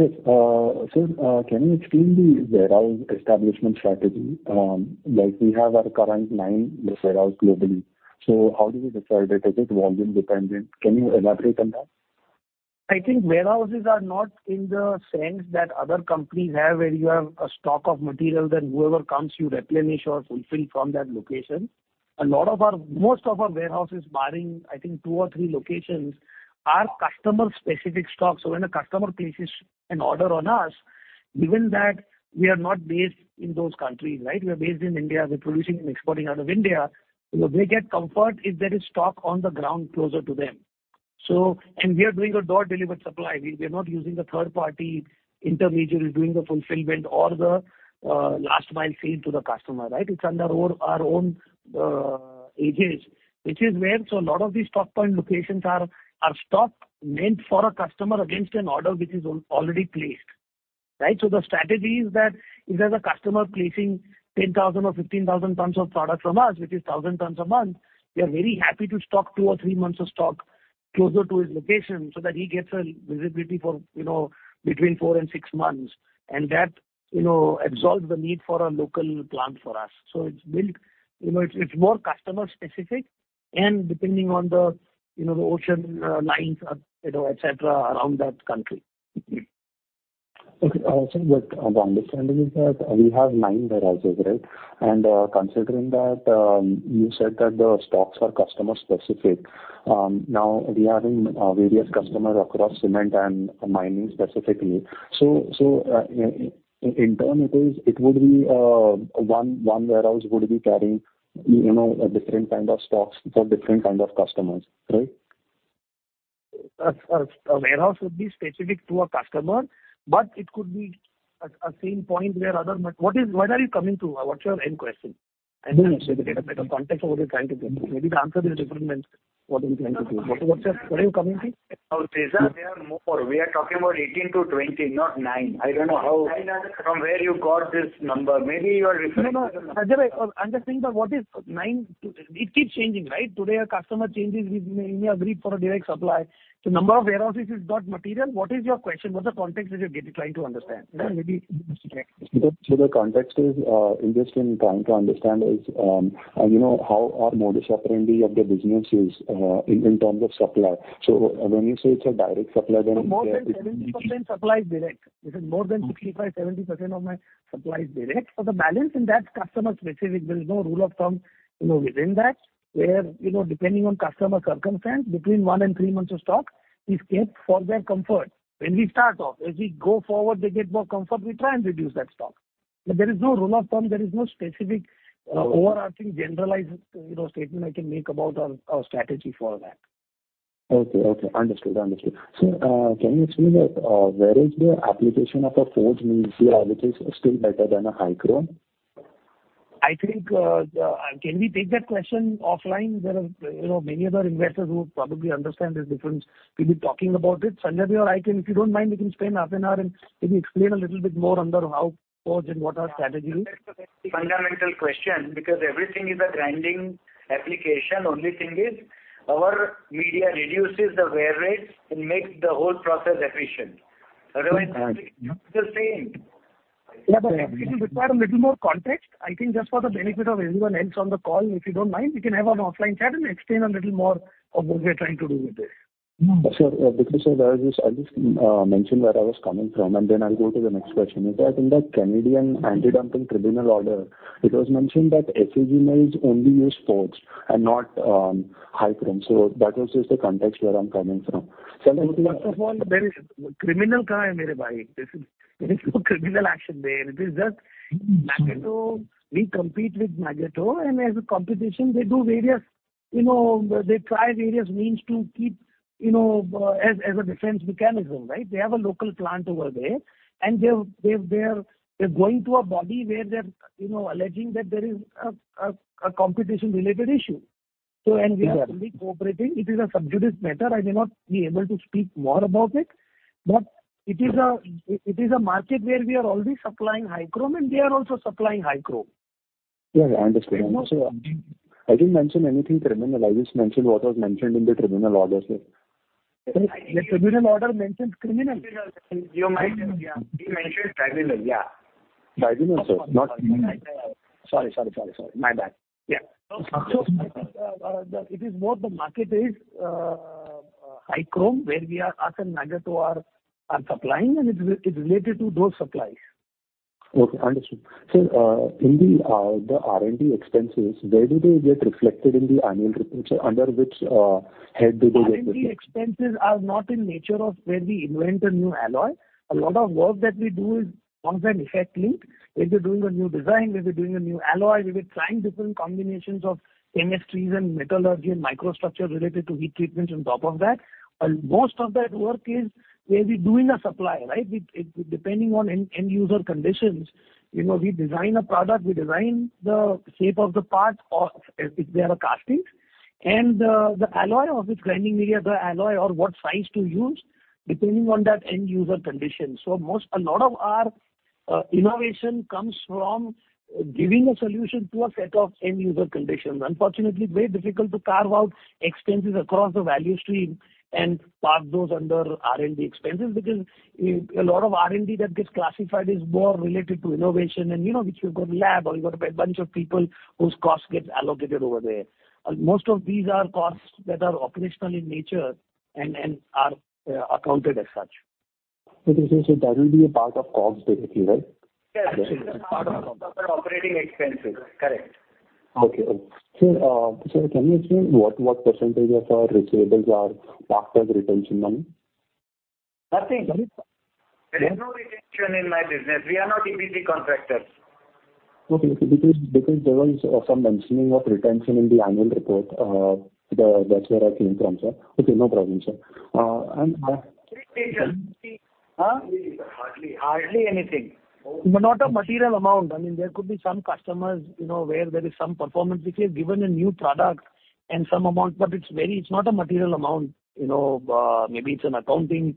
you explain the warehouse establishment strategy? Like we have our current nine warehouse globally, so how do you decide it? Is it volume dependent? Can you elaborate on that? I think warehouses are not in the sense that other companies have, where you have a stock of material, then whoever comes, you replenish or fulfill from that location. Most of our warehouses, barring I think two or three locations, are customer specific stocks. When a customer places an order on us, given that we are not based in those countries, right? We are based in India. We're producing and exporting out of India. You know, they get comfort if there is stock on the ground closer to them. We are doing a door delivery supply. We are not using the third party intermediary doing the fulfillment or the last mile sale to the customer, right? It's under our own agents. A lot of these stock point locations are stock meant for a customer against an order which is already placed, right? The strategy is that if there's a customer placing 10,000 or 15,000 tons of product from us, which is 1,000 tons a month, we are very happy to stock two or three months of stock closer to his location so that he gets a visibility for, you know, between four and six months. That, you know, absolves the need for a local plant for us. It's built, you know, it's more customer specific and depending on the, you know, the ocean lines, you know, et cetera around that country. Okay. The understanding is that we have nine warehouses, right? Considering that you said that the stocks are customer specific, now we are in various customer across cement and mining specifically. In turn it is, it would be one warehouse would be carrying, you know, different kind of stocks for different kind of customers, right? A warehouse would be specific to a customer, but it could be a same point where other... What are you coming to? What's your end question? I don't understand. Get a bit of context of what you're trying to get. Maybe the answer is different when what you're trying to do. What, what are you coming to? There are more. We are talking about 18-20, not 9. I don't know how- Nine are. From where you got this number. Maybe you are referring to No, no. Sanjay, I'm just saying that what is nine... It keeps changing, right? Today a customer changes, he may agree for a direct supply. The number of warehouses has got material. What is your question? What's the context that you're trying to understand? You know, maybe. The context is interesting trying to understand is, you know, how are modus operandi of the businesses in terms of supply. When you say it's a direct supply. More than 70% supply is direct. It is more than 65%, 70% of my supply is direct. The balance in that customer specific, there is no rule of thumb, you know, within that, where, you know, depending on customer circumstance, between one and three months of stock is kept for their comfort when we start off. As we go forward, they get more comfort, we try and reduce that stock. There is no rule of thumb. There is no specific overarching generalized, you know, statement I can make about our strategy for that. Okay. Okay. Understood. Understood. Can you explain that where is the application of a forged media, which is still better than a High Chrome? I think, can we take that question offline? There are, you know, many other investors who probably understand this difference. We'll be talking about it. Sanjay or I can, if you don't mind, we can spend half an hour and maybe explain a little bit more under how forged and what our strategy is. That's a fundamental question, because everything is a grinding application. Only thing is our media reduces the wear rates and makes the whole process efficient. Otherwise, it's the same. Yeah, it will require a little more context. I think just for the benefit of everyone else on the call, if you don't mind, we can have an offline chat and explain a little more of what we're trying to do with this. Sure. Because I'll just mention where I was coming from, and then I'll go to the next question. Is that in the Canadian International Trade Tribunal order, it was mentioned that SAG Mills only use forged and not High Chrome. That was just the context where I'm coming from. There is no criminal action there. It is just Magotteaux. We compete with Magotteaux, and as a competition, they do various, you know, they try various means to keep, you know, as a defense mechanism, right? They have a local plant over there. They're going to a body where they're, you know, alleging that there is a competition related issue. We are fully cooperating. It is a sub judice matter. I may not be able to speak more about it, but it is a market where we are already supplying High Chrome, and they are also supplying High Chrome. Yeah, I understand. I didn't mention anything criminal. I just mentioned what was mentioned in the tribunal order, sir. The tribunal order mentions criminal. You're right, yeah. We mentioned criminal, yeah. Tribunal, sir, not criminal. Sorry. My bad. Yeah. It is more the market is High Chrome, where we are, us and Magotteaux are supplying, and it's related to those supplies. Okay, understood. In the R&D expenses, where do they get reflected in the annual report, sir? Under which head do they get reflected? R&D expenses are not in nature of where we invent a new alloy. A lot of work that we do is cause-and-effect linked. Whether doing a new design, whether doing a new alloy. We were trying different combinations of chemistries and metallurgy and microstructure related to heat treatment on top of that. Most of that work is where we doing a supply, right? Depending on end user conditions. You know, we design a product, we design the shape of the part or if they are a casting. The alloy of this grinding media, the alloy or what size to use, depending on that end user conditions. A lot of our innovation comes from giving a solution to a set of end user conditions. Unfortunately, it's very difficult to carve out expenses across the value stream and park those under R&D expenses, because a lot of R&D that gets classified is more related to innovation and, you know, which you've got a lab or you've got a bunch of people whose costs get allocated over there. Most of these are costs that are operational in nature and are accounted as such. Okay. That will be a part of costs basically, right? Yeah, absolutely. Part of operating expenses. Correct. Okay. Sir, sir, can you explain what % of our receivables are parked as retention money? Nothing. There is no retention in my business. We are not EPC contractors. Okay. Because there was some mentioning of retention in the annual report. That's where I came from, sir. Okay, no problem, sir. Huh? Hardly. Hardly anything. Not a material amount. I mean, there could be some customers, you know, where there is some performance, if we have given a new product and some amount, but it's not a material amount, you know. Maybe it's an accounting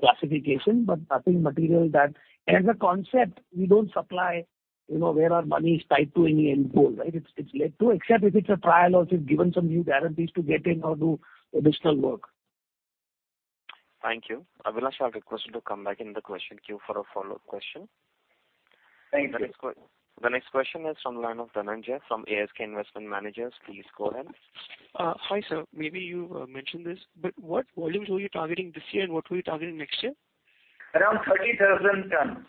classification, but nothing material that, as a concept, we don't supply, you know, where our money is tied to any end goal, right? It's led to, except if it's a trial or if we've given some new guarantees to get in or do additional work. Thank you. Abhilash, I'll request you to come back in the question queue for a follow-up question. Thank you. The next question is from the line of Dhananjay from ASK Investment Managers. Please go ahead. Hi, sir. Maybe you mentioned this, but what volumes were you targeting this year, and what were you targeting next year? Around 30,000 tons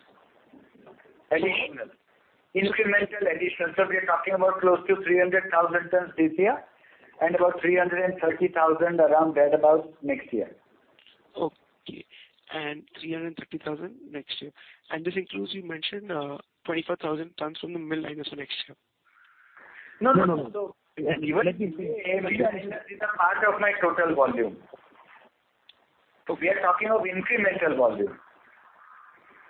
additional. Incremental additions. We're talking about close to 300,000 tons this year and about 330,000 around that about next year. Okay. 330,000 next year. This includes, you mentioned, 24,000 tons from the mill liners for next year. No, no. Even is a part of my total volume. We are talking of incremental volume.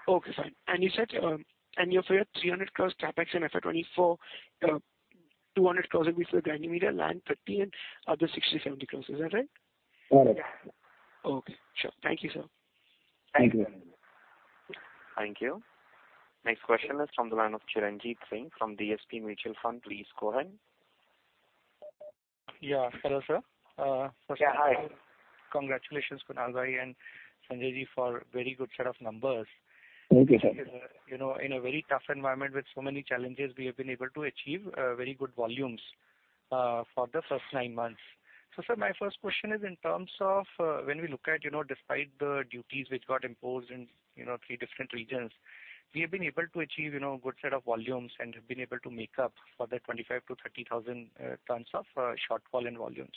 Okay, fine. You said 300 crore CapEx in FY 2024, INR 200 crore before grinding media, land 30 crore and other 60-70 crore. Is that right? Correct. Okay. Sure. Thank you, sir. Thank you. Thank you. Next question is from the line of Charanjit Singh from DSP Mutual Fund. Please go ahead. Yeah. Hello, sir. Yeah, hi. Congratulations, Kunal bhai and Sanjay Ji for very good set of numbers. Thank you, sir. You know, in a very tough environment with so many challenges, we have been able to achieve very good volumes for the first nine months. Sir, my first question is in terms of, when we look at, you know, despite the duties which got imposed in, you know, three different regions, we have been able to achieve, you know, a good set of volumes and have been able to make up for that 25,000-30,000 tons of shortfall in volumes.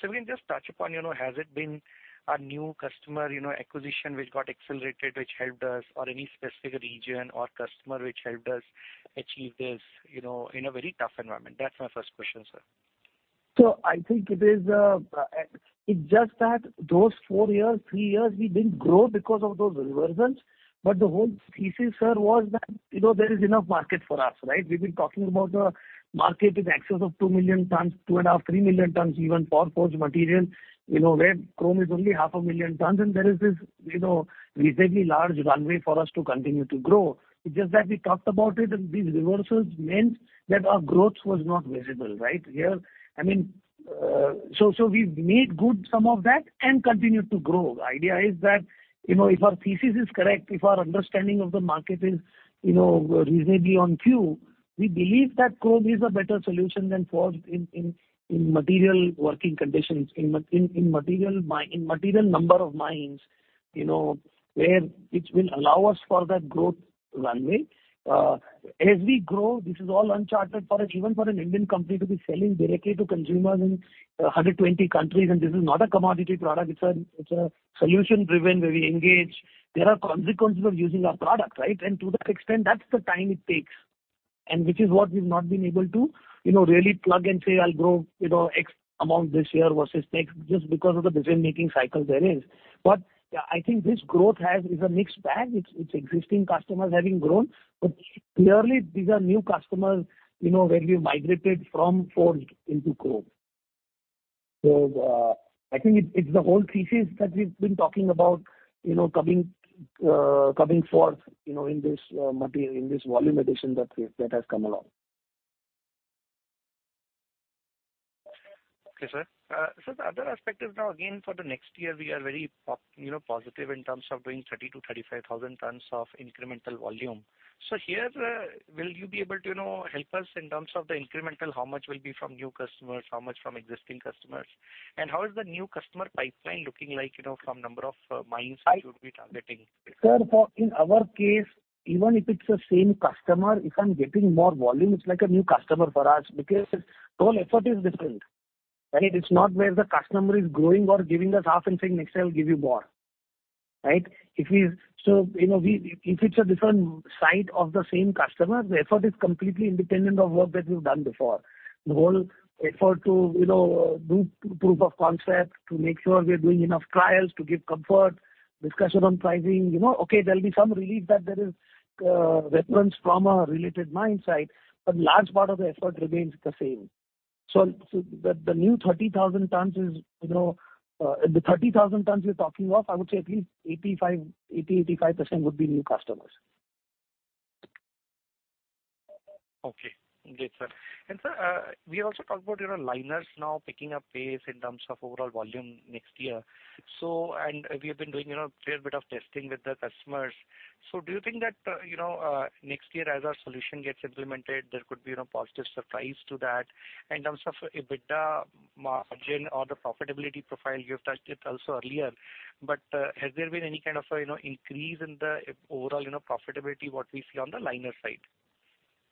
Can you just touch upon, you know, has it been a new customer, you know, acquisition which got accelerated, which helped us or any specific region or customer which helped us achieve this, you know, in a very tough environment? That's my first question, sir. I think it is, it's just that those four years, three years, we didn't grow because of those reversals. The whole thesis, sir, was that, you know, there is enough market for us, right? We've been talking about a market in excess of 2 million tons, two and a half million tons, 3 million tons, even for forged material, you know, where chrome is only half a million tons. There is this, you know, reasonably large runway for us to continue to grow. It's just that we talked about it, and these reversals meant that our growth was not visible, right? Here, I mean, so we've made good some of that and continued to grow. The idea is that, you know, if our thesis is correct, if our understanding of the market is, you know, reasonably on cue, we believe that chrome is a better solution than forged in material working conditions, in material number of mines, you know, where it will allow us for that growth runway. As we grow, this is all uncharted for us, even for an Indian company to be selling directly to consumers in 120 countries. This is not a commodity product. It's a solution-driven, where we engage. There are consequences of using our product, right? To that extent, that's the time it takes. Which is what we've not been able to, you know, really plug and say, "I'll grow, you know, X amount this year versus next," just because of the decision-making cycle there is. Yeah, I think this growth has, is a mixed bag. It's existing customers having grown. Clearly these are new customers, you know, where we've migrated from forged into chrome. I think it's the whole thesis that we've been talking about, you know, coming forth, you know, in this volume addition that has come along. Okay, sir. The other aspect is now again for the next year, we are very positive in terms of doing 30,000-35,000 tons of incremental volume. Here, will you be able to, you know, help us in terms of the incremental, how much will be from new customers, how much from existing customers? How is the new customer pipeline looking like, you know, from number of mines you would be targeting? Sir, for in our case, even if it's the same customer, if I'm getting more volume, it's like a new customer for us because the whole effort is different, right? It's not where the customer is growing or giving us half and saying next year I'll give you more, right? You know, we if it's a different site of the same customer, the effort is completely independent of work that we've done before. The whole effort to, you know, do proof of concept to make sure we are doing enough trials to give comfort, discussion on pricing, you know. Okay, there'll be some relief that there is reference from a related mine site, large part of the effort remains the same. The new 30,000 tons is, you know, the 30,000 tons you're talking of, I would say at least 85% would be new customers. Okay. Great, sir. Sir, we also talked about, you know, liners now picking up pace in terms of overall volume next year. We have been doing, you know, a fair bit of testing with the customers. Do you think that, you know, next year as our solution gets implemented, there could be, you know, positive surprise to that in terms of EBITDA margin or the profitability profile you have touched it also earlier. Has there been any kind of, you know, increase in the overall, you know, profitability what we see on the liner side?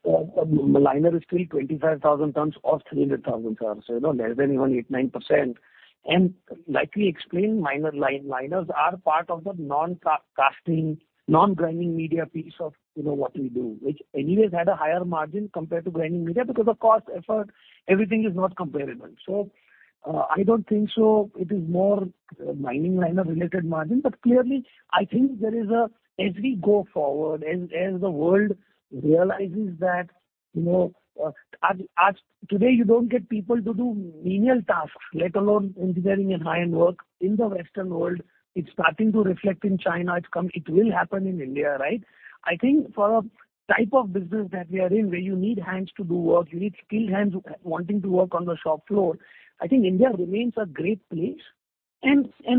The liner is still 25,000 tons of 300,000 tons, you know, less than only 8%, 9%. Like we explained, mill liner, liners are part of the non-casting, non-grinding media piece of, you know, what we do, which anyways had a higher margin compared to grinding media because the cost effort, everything is not comparable. I don't think so. It is more mining liner related margin. Clearly I think there is a... As we go forward, as the world realizes that, you know, as today, you don't get people to do menial tasks let alone engineering and high-end work in the Western world. It's starting to reflect in China. It's come, it will happen in India, right? I think for a type of business that we are in, where you need hands to do work, you need skilled hands wanting to work on the shop floor.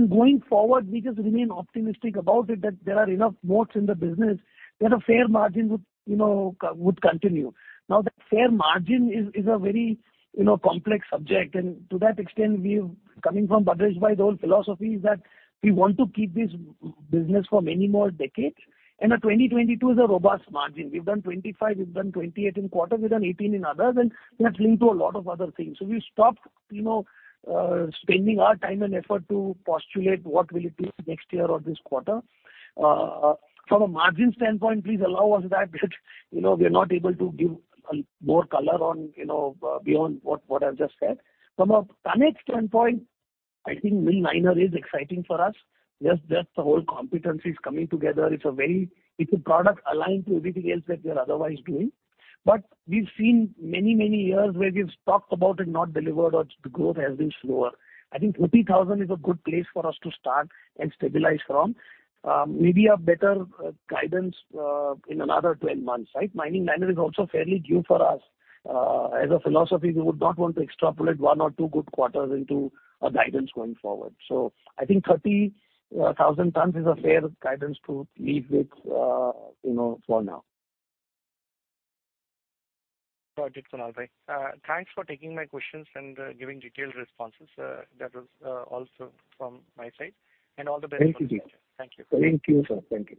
Going forward, we just remain optimistic about it, that there are enough moats in the business that a fair margin would, you know, continue. Now, that fair margin is a very, you know, complex subject. To that extent, we've coming from Bajaj by the whole philosophy is that we want to keep this business for many more decades. Our 2022 is a robust margin. We've done 25%, we've done 28% in quarters, we've done 18% in others, that's linked to a lot of other things. We've stopped, you know, spending our time and effort to postulate what will it be next year or this quarter. From a margin standpoint, please allow us that, you know, we are not able to give more color on, you know, beyond what I've just said. From a tonnage standpoint, I think mill liner is exciting for us. Just the whole competencies coming together. It's a very, it's a product aligned to everything else that we are otherwise doing. We've seen many, many years where we've talked about it, not delivered or the growth has been slower. I think 30,000 is a good place for us to start and stabilize from. Maybe a better guidance in another 12 months, right? Mining liner is also fairly new for us. As a philosophy, we would not want to extrapolate one or two good quarters into a guidance going forward. I think 30,000 tons is a fair guidance to leave with, you know, for now. Got it, Kunal bhai. Thanks for taking my questions and giving detailed responses. That was all from my side. All the best. Thank you. Thank you. Thank you, sir. Thank you.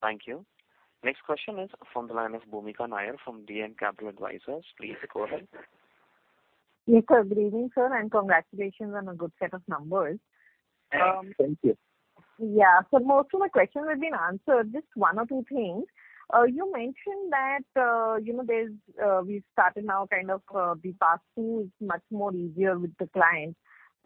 Thank you. Next question is from the line of Bhoomika Nair from DAM Capital Advisors. Please go ahead. Yes, sir. Greetings, sir, and congratulations on a good set of numbers. Thank you. Yeah. Most of my questions have been answered. Just one or two things. You mentioned that, you know, there's, we've started now kind of, the pass-through is much more easier with the clients.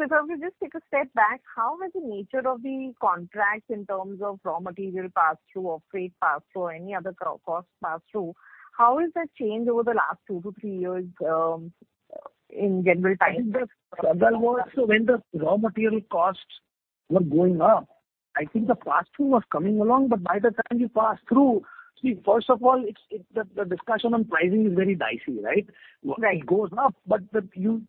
If I could just take a step back, how has the nature of the contracts in terms of raw material pass-through or freight pass-through, any other co-cost pass-through, how has that changed over the last two to three years, in general times? I think the struggle was so when the raw material costs were going up, I think the pass-through was coming along, but by the time you pass through... See, first of all, it's the discussion on pricing is very dicey, right? It goes up, but you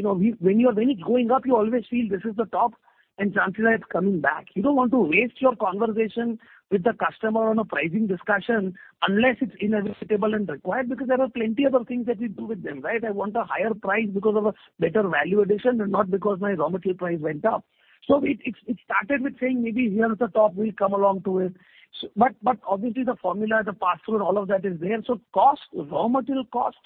know, when you're, when it's going up, you always feel this is the top and chances are it's coming back. You don't want to waste your conversation with the customer on a pricing discussion unless it's inevitable and required, because there are plenty other things that we do with them, right? I want a higher price because of a better value addition and not because my raw material price went up. It started with saying maybe here is the top, we'll come along to it. But obviously the formula, the pass-through and all of that is there. Cost, raw material cost,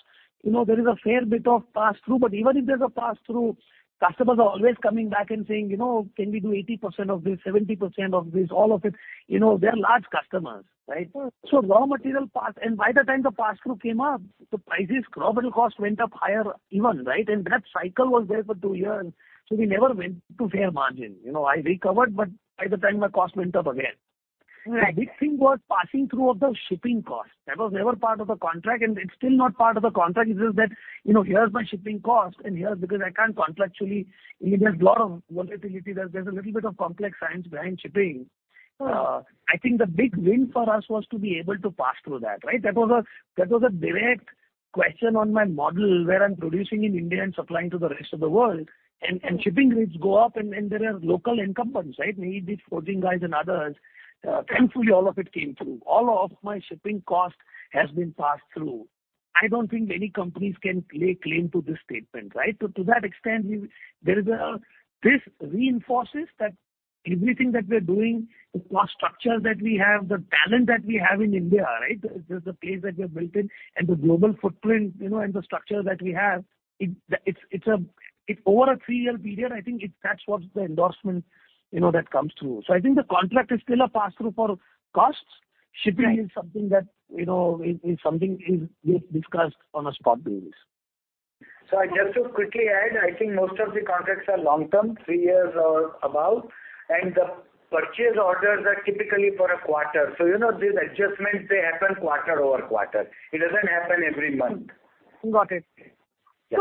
you know, there is a fair bit of pass-through. Even if there's a pass-through, customers are always coming back and saying, you know, can we do 80% of this, 70% of this, all of it, you know, they're large customers, right? Sure. Raw material pass, and by the time the pass-through came up, the prices, raw material cost went up higher even, right. That cycle was there for two years. We never went to fair margin. You know, I recovered, but by the time my cost went up again. Right. The big thing was passing through of the shipping cost. That was never part of the contract, and it's still not part of the contract. It's just that, you know, here's my shipping cost and here's because I can't contractually, you know, there's a lot of volatility. There's a little bit of complex science behind shipping. I think the big win for us was to be able to pass through that, right? That was a, that was a direct question on my model where I'm producing in India and supplying to the rest of the world. Shipping rates go up, and there are local incumbents, right? Maybe these forging guys and others. Thankfully, all of it came through. All of my shipping cost has been passed through. I don't think many companies can lay claim to this statement, right? To that extent, there is a. This reinforces that everything that we're doing, the cost structure that we have, the talent that we have in India, right? The place that we have built in and the global footprint, you know, and the structure that we have, it's it over a three-year period, I think it. That's what the endorsement, you know, that comes through. I think the contract is still a pass-through for costs. Right. Shipping is something that, you know, is something is being discussed on a spot basis. I'll just quickly add. I think most of the contracts are long-term, three years or above, and the purchase orders are typically for a quarter. You know, these adjustments, they happen quarter-over-quarter. It doesn't happen every month. Got it. Yeah.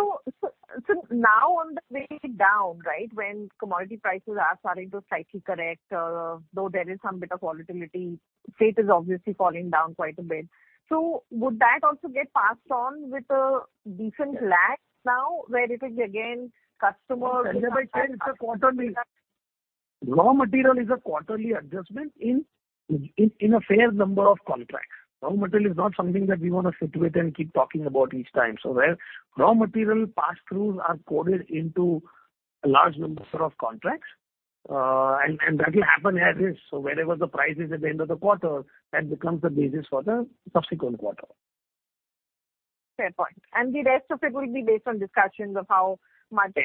Now on the way down, right, when commodity prices are starting to slightly correct, though there is some bit of volatility, freight is obviously falling down quite a bit. Would that also get passed on with a decent lag now where it is again? Bhoomika, by the way. Raw material is a quarterly adjustment in a fair number of contracts. Raw material is not something that we wanna sit with and keep talking about each time. Where raw material pass-throughs are coded into a large number of contracts, and that'll happen as is. Wherever the price is at the end of the quarter, that becomes the basis for the subsequent quarter. Fair point. The rest of it will be based on discussions of how much they want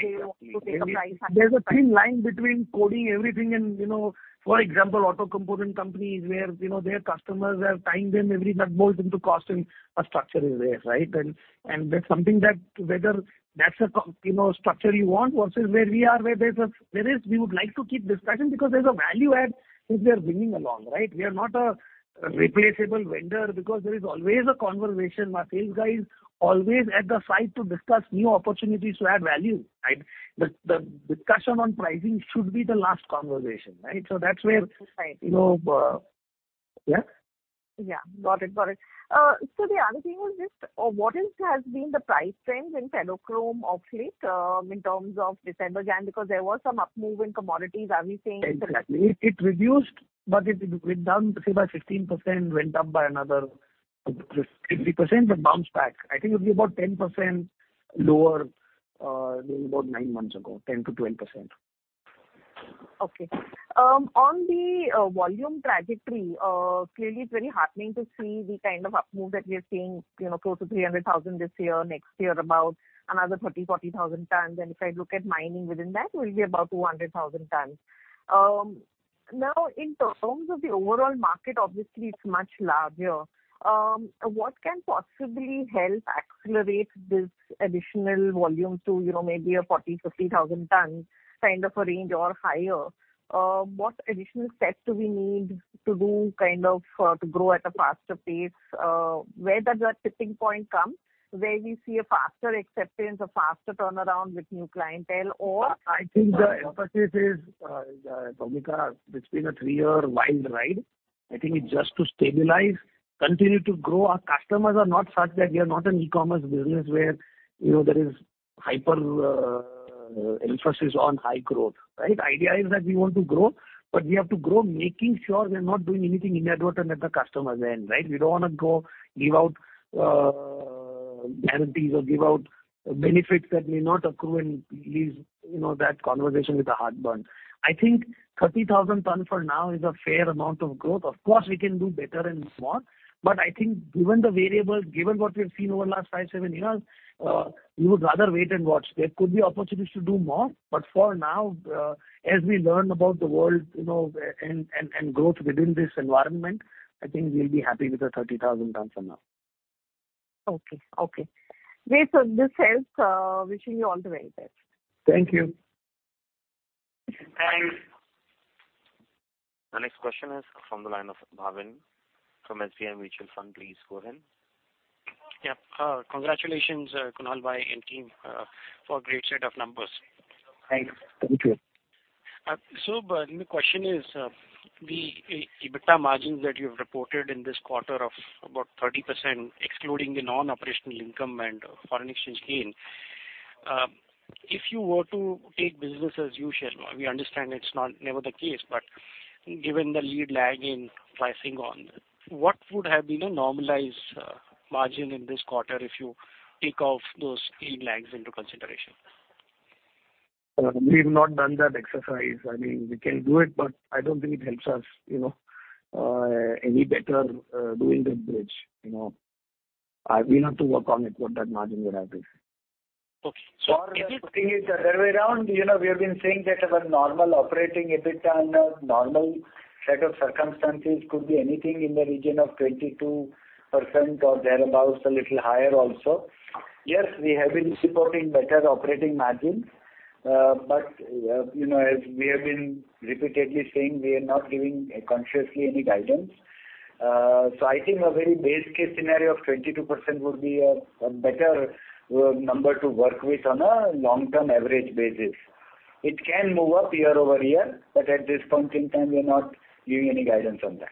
to take a price hike. Exactly. There's a thin line between coding everything and, you know... For example, auto component companies where, you know, their customers are tying them every nut, bolt into cost, and a structure is there, right? And that's something that whether that's a you know, structure you want versus where we are, where there is we would like to keep discussing because there's a value add which we are bringing along, right? We are not a replaceable vendor because there is always a conversation. My sales guy is always at the site to discuss new opportunities to add value, right? The discussion on pricing should be the last conversation, right? That's where- Right. You know, Yes? Yeah. Got it. Got it. The other thing was just, what has been the price trends in ferrochrome of late, in terms of December, January? Because there was some up move in commodities. Are we seeing- Exactly. It, it reduced, but it went down, say, by 15%, went up by another 60%, but bounced back. I think it'll be about 10% lower than about nine months ago, 10%-12%. Okay. On the volume trajectory, clearly it's very heartening to see the kind of up move that we are seeing, you know, close to 300,000 this year, next year about another 30,000-40,000 tons. If I look at mining within that, it will be about 200,000 tons. Now in terms of the overall market, obviously it's much larger. What can possibly help accelerate this additional volume to, you know, maybe a 40,000-50,000 ton kind of a range or higher? What additional steps do we need to do kind of to grow at a faster pace? Where does that tipping point come where we see a faster acceptance or faster turnaround with new clientele or. I think the emphasis is, Bhoomika, it's been a three-year wild ride. I think it's just to stabilize, continue to grow. Our customers are not such that we are not an e-commerce business where, you know, there is hyper emphasis on high growth, right? The idea is that we want to grow, but we have to grow making sure we're not doing anything inadvertent at the customer's end, right? We don't wanna go give out guarantees or give out benefits that may not accrue and leave, you know, that conversation with a heartburn. I think 30,000 tons for now is a fair amount of growth. Of course, we can do better and more. I think given the variables, given what we've seen over the last five, seven years, we would rather wait and watch. There could be opportunities to do more, but for now, as we learn about the world, you know, and growth within this environment, I think we'll be happy with the 30,000 tons for now. Okay. Okay. Great. This helps. Wishing you all the very best. Thank you. Thanks. The next question is from the line of Bhavin from SBI Mutual Fund. Please go ahead. Yeah. Congratulations, Kunal bhai and team, for a great set of numbers. Thanks. Thank you. The question is, the EBITDA margins that you've reported in this quarter of about 30%, excluding the non-operational income and foreign exchange gain, if you were to take business as usual, we understand it's not never the case, but given the lead lag in pricing on, what would have been a normalized margin in this quarter if you take off those lead lags into consideration? We've not done that exercise. I mean, we can do it, but I don't think it helps us, you know, any better, doing the bridge, you know. We have to work on it, what that margin would have been. Okay. Just putting it the other way around, you know, we have been saying that our normal operating EBITDA under normal set of circumstances could be anything in the region of 22% or thereabouts, a little higher also. Yes, we have been supporting better operating margins. You know, as we have been repeatedly saying, we are not giving consciously any guidance. I think a very base case scenario of 22% would be a better number to work with on a long-term average basis. It can move up year-over-year, but at this point in time, we're not giving any guidance on that.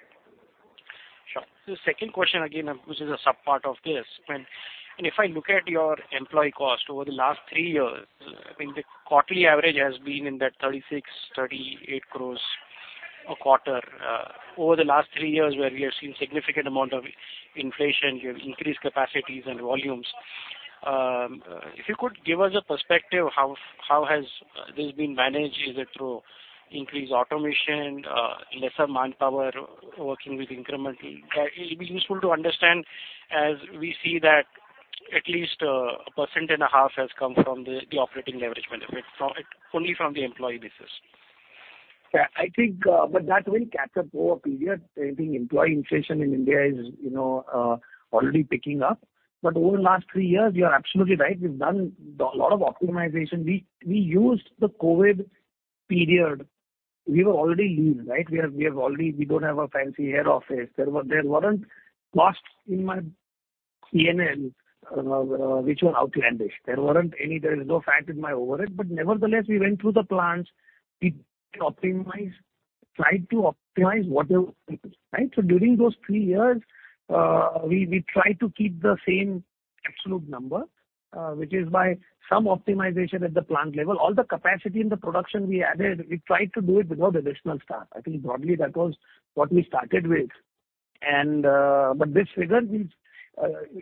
Sure. The second question again, which is a sub-part of this. If I look at your employee cost over the last three years, I mean, the quarterly average has been in that 36, 38 crore a quarter. Over the last three years where we have seen significant amount of inflation, you have increased capacities and volumes. If you could give us a perspective, how has this been managed? Is it through increased automation, lesser manpower working with incremental? That it'd be useful to understand as we see that at least a percent and a half has come from the operating leverage benefit from it only from the employee basis. Yeah, I think, but that will catch up over a period. I think employee inflation in India is, you know, already picking up. Over the last three years, you are absolutely right. We've done a lot of optimization. We used the COVID period. We were already lean, right? We have already. We don't have a fancy head office. There weren't costs in my P&L, which were outlandish. There weren't any. There is no fat in my overhead. Nevertheless, we went through the plants. We optimized, tried to optimize whatever, right? During those three years, we tried to keep the same absolute number, which is by some optimization at the plant level. All the capacity in the production we added, we tried to do it without additional staff. I think broadly that was what we started with. But this figure means,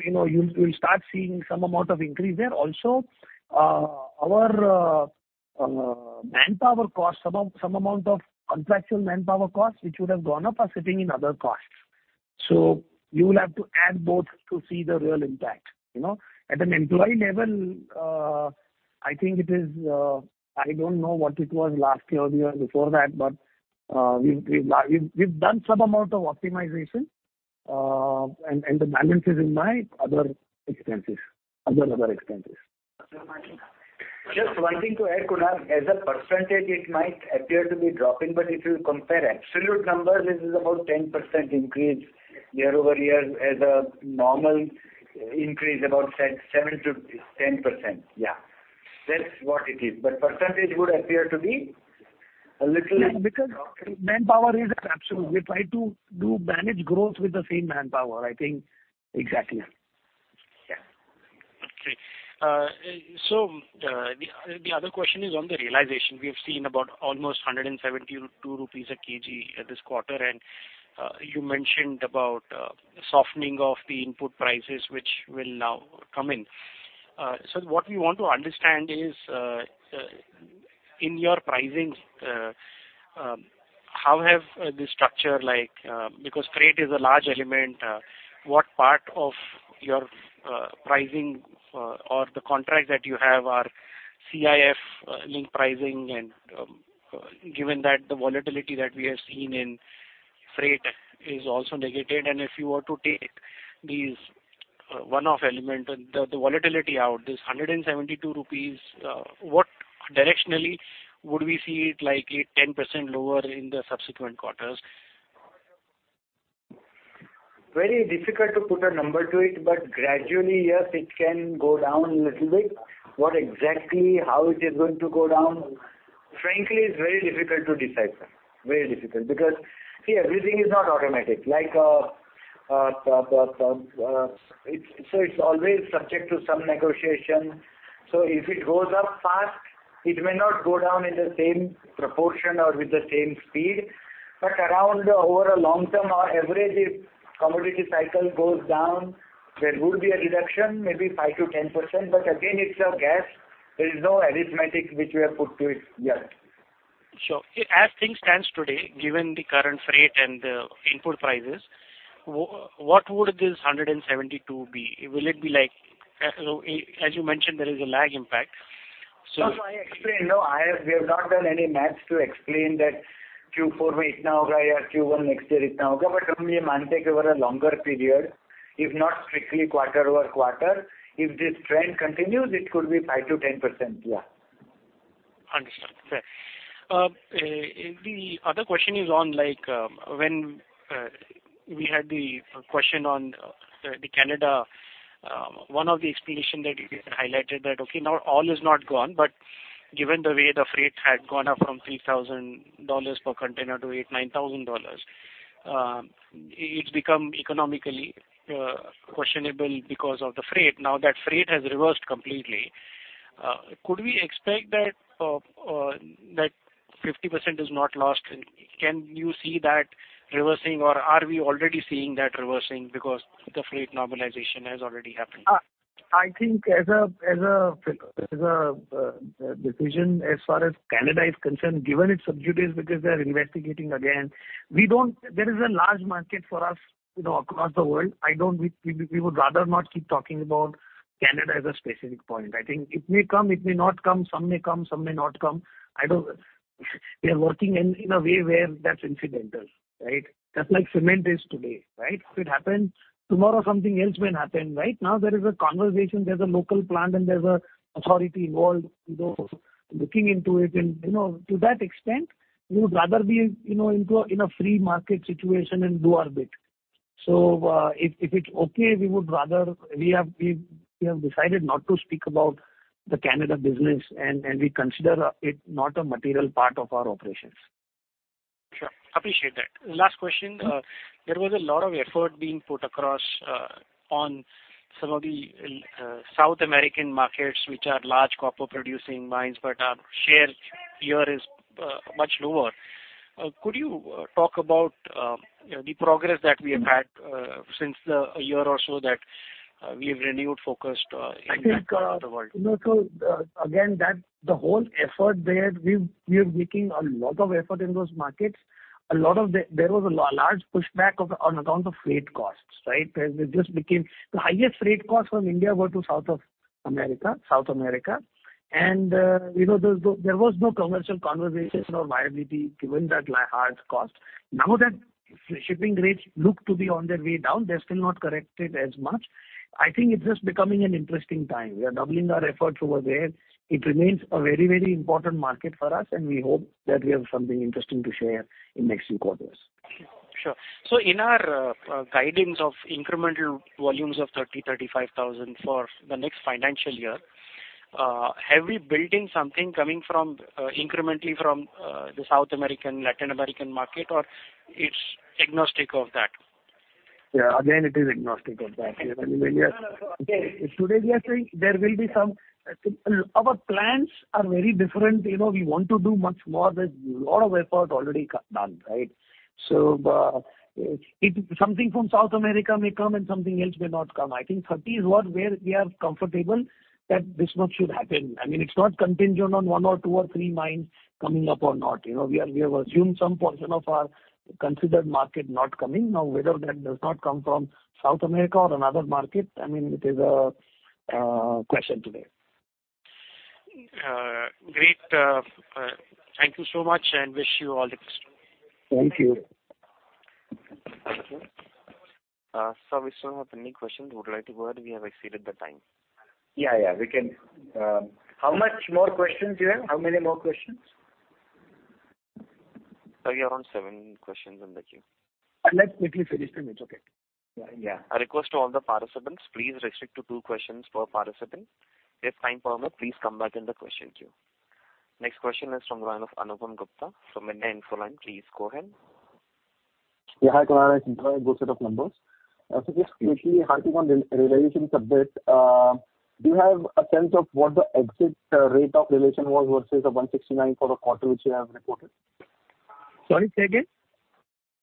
you know, you'll start seeing some amount of increase there. Also, our manpower costs, some amount of contractual manpower costs which would have gone up are sitting in other costs. You will have to add both to see the real impact, you know. At an employee level, I think it is, I don't know what it was last year or the year before that, but we've done some amount of optimization, and the balance is in my other expenses, other expenses. Just one thing to add, Kunal. As a percentage, it might appear to be dropping, but if you compare absolute numbers, this is about 10% increase year-over-year as a normal increase, about 7%-10%. Yeah. That's what it is. Percentage would appear to be a little- Manpower is an absolute. We try to do manage growth with the same manpower, I think. Exactly. Yeah. Okay. The other question is on the realization. We have seen about almost 172 rupees a kg this quarter, you mentioned about softening of the input prices, which will now come in. What we want to understand is in your pricing, how have the structure like, because freight is a large element, what part of your pricing or the contracts that you have are CIF link pricing? Given that the volatility that we have seen in freight is also negated, and if you were to take these one-off element, the volatility out, this 172 rupees, what directionally would we see it like 10% lower in the subsequent quarters? Very difficult to put a number to it, gradually, yes, it can go down a little bit. What exactly, how it is going to go down, frankly, it's very difficult to decipher. Very difficult. See, everything is not automatic. Like, it's always subject to some negotiation. If it goes up fast, it may not go down in the same proportion or with the same speed. Around over a long term, our average commodity cycle goes down, there would be a reduction, maybe 5%-10%. Again, it's a guess. There is no arithmetic which we have put to it yet. Sure. As things stands today, given the current freight and the input prices, what would this 172 be? Will it be like... As you mentioned, there is a lag impact. No, I explained. No, we have not done any maths to explain that Q4 or Q1 next year. We may maintain over a longer period, if not strictly quarter-over-quarter. If this trend continues, it could be 5% to 10%. Yeah. Understood. Fair. The other question is on when we had the question on the Canada, one of the explanation that you highlighted that, okay, now all is not gone, but given the way the freight had gone up from $3,000 per container to $8,000-$9,000, it's become economically questionable because of the freight. Now that freight has reversed completely. Could we expect that 50% is not lost? Can you see that reversing, or are we already seeing that reversing because the freight normalization has already happened? I think as a decision as far as Canada is concerned, given it's subjugated because they are investigating again, there is a large market for us, you know, across the world. We would rather not keep talking about Canada as a specific point. I think it may come, it may not come, some may come, some may not come. I don't. We are working in a way where that's incidental, right? Just like cement is today, right? If it happens, tomorrow something else may happen, right? Now there is a conversation, there's a local plant and there's an authority involved, you know, looking into it. You know, to that extent, we would rather be, you know, in a free market situation and do our bit. If, if it's okay, we would rather we have decided not to speak about the Canada business, and we consider it not a material part of our operations. Sure. Appreciate that. Last question. There was a lot of effort being put across on some of the South American markets which are large copper producing mines, but our share here is much lower. Could you talk about, you know, the progress that we have had since a year or so that we've renewed focus in that part of the world? I think, you know, again, that the whole effort there, we are making a lot of effort in those markets. There was a large pushback on account of freight costs, right? Because it just became the highest freight cost from India were to South America. You know, there was no commercial conversation or viability given that high cost. Now that shipping rates look to be on their way down, they're still not corrected as much. I think it's just becoming an interesting time. We are doubling our efforts over there. It remains a very important market for us, and we hope that we have something interesting to share in next few quarters. Sure. In our guidance of incremental volumes of 30,000-35,000 for the next financial year, have we built in something coming from incrementally from the South American, Latin American market, or it's agnostic of that? Again, it is agnostic of that. I mean, yes. Today we are saying there will be some... Our plans are very different. You know, we want to do much more. There's a lot of effort already done, right? If something from South America may come and something else may not come, I think 30 is what where we are comfortable that this much should happen. I mean, it's not contingent on one or two or three mines coming up or not. You know, we have assumed some portion of our considered market not coming. Now, whether that does not come from South America or another market, I mean, it is a question today. Great. Thank you so much, and wish you all the best. Thank you. Thank you. sir, we still have many questions. Would you like to go ahead? We have exceeded the time. Yeah, yeah. We can. How much more questions you have? How many more questions? Sir, you have around seven questions in the queue. Let's quickly finish them. It's okay. Yeah. A request to all the participants, please restrict to two questions per participant. If time permits, please come back in the question queue. Next question is from the line of Anupam Gupta from India Infoline. Please go ahead. Yeah. Hi, Kunal. It's Anupam. Good set of numbers. Just quickly harping on the realization subject. Do you have a sense of what the exit rate of realization was versus the 169 for the quarter which you have reported? Sorry, say again?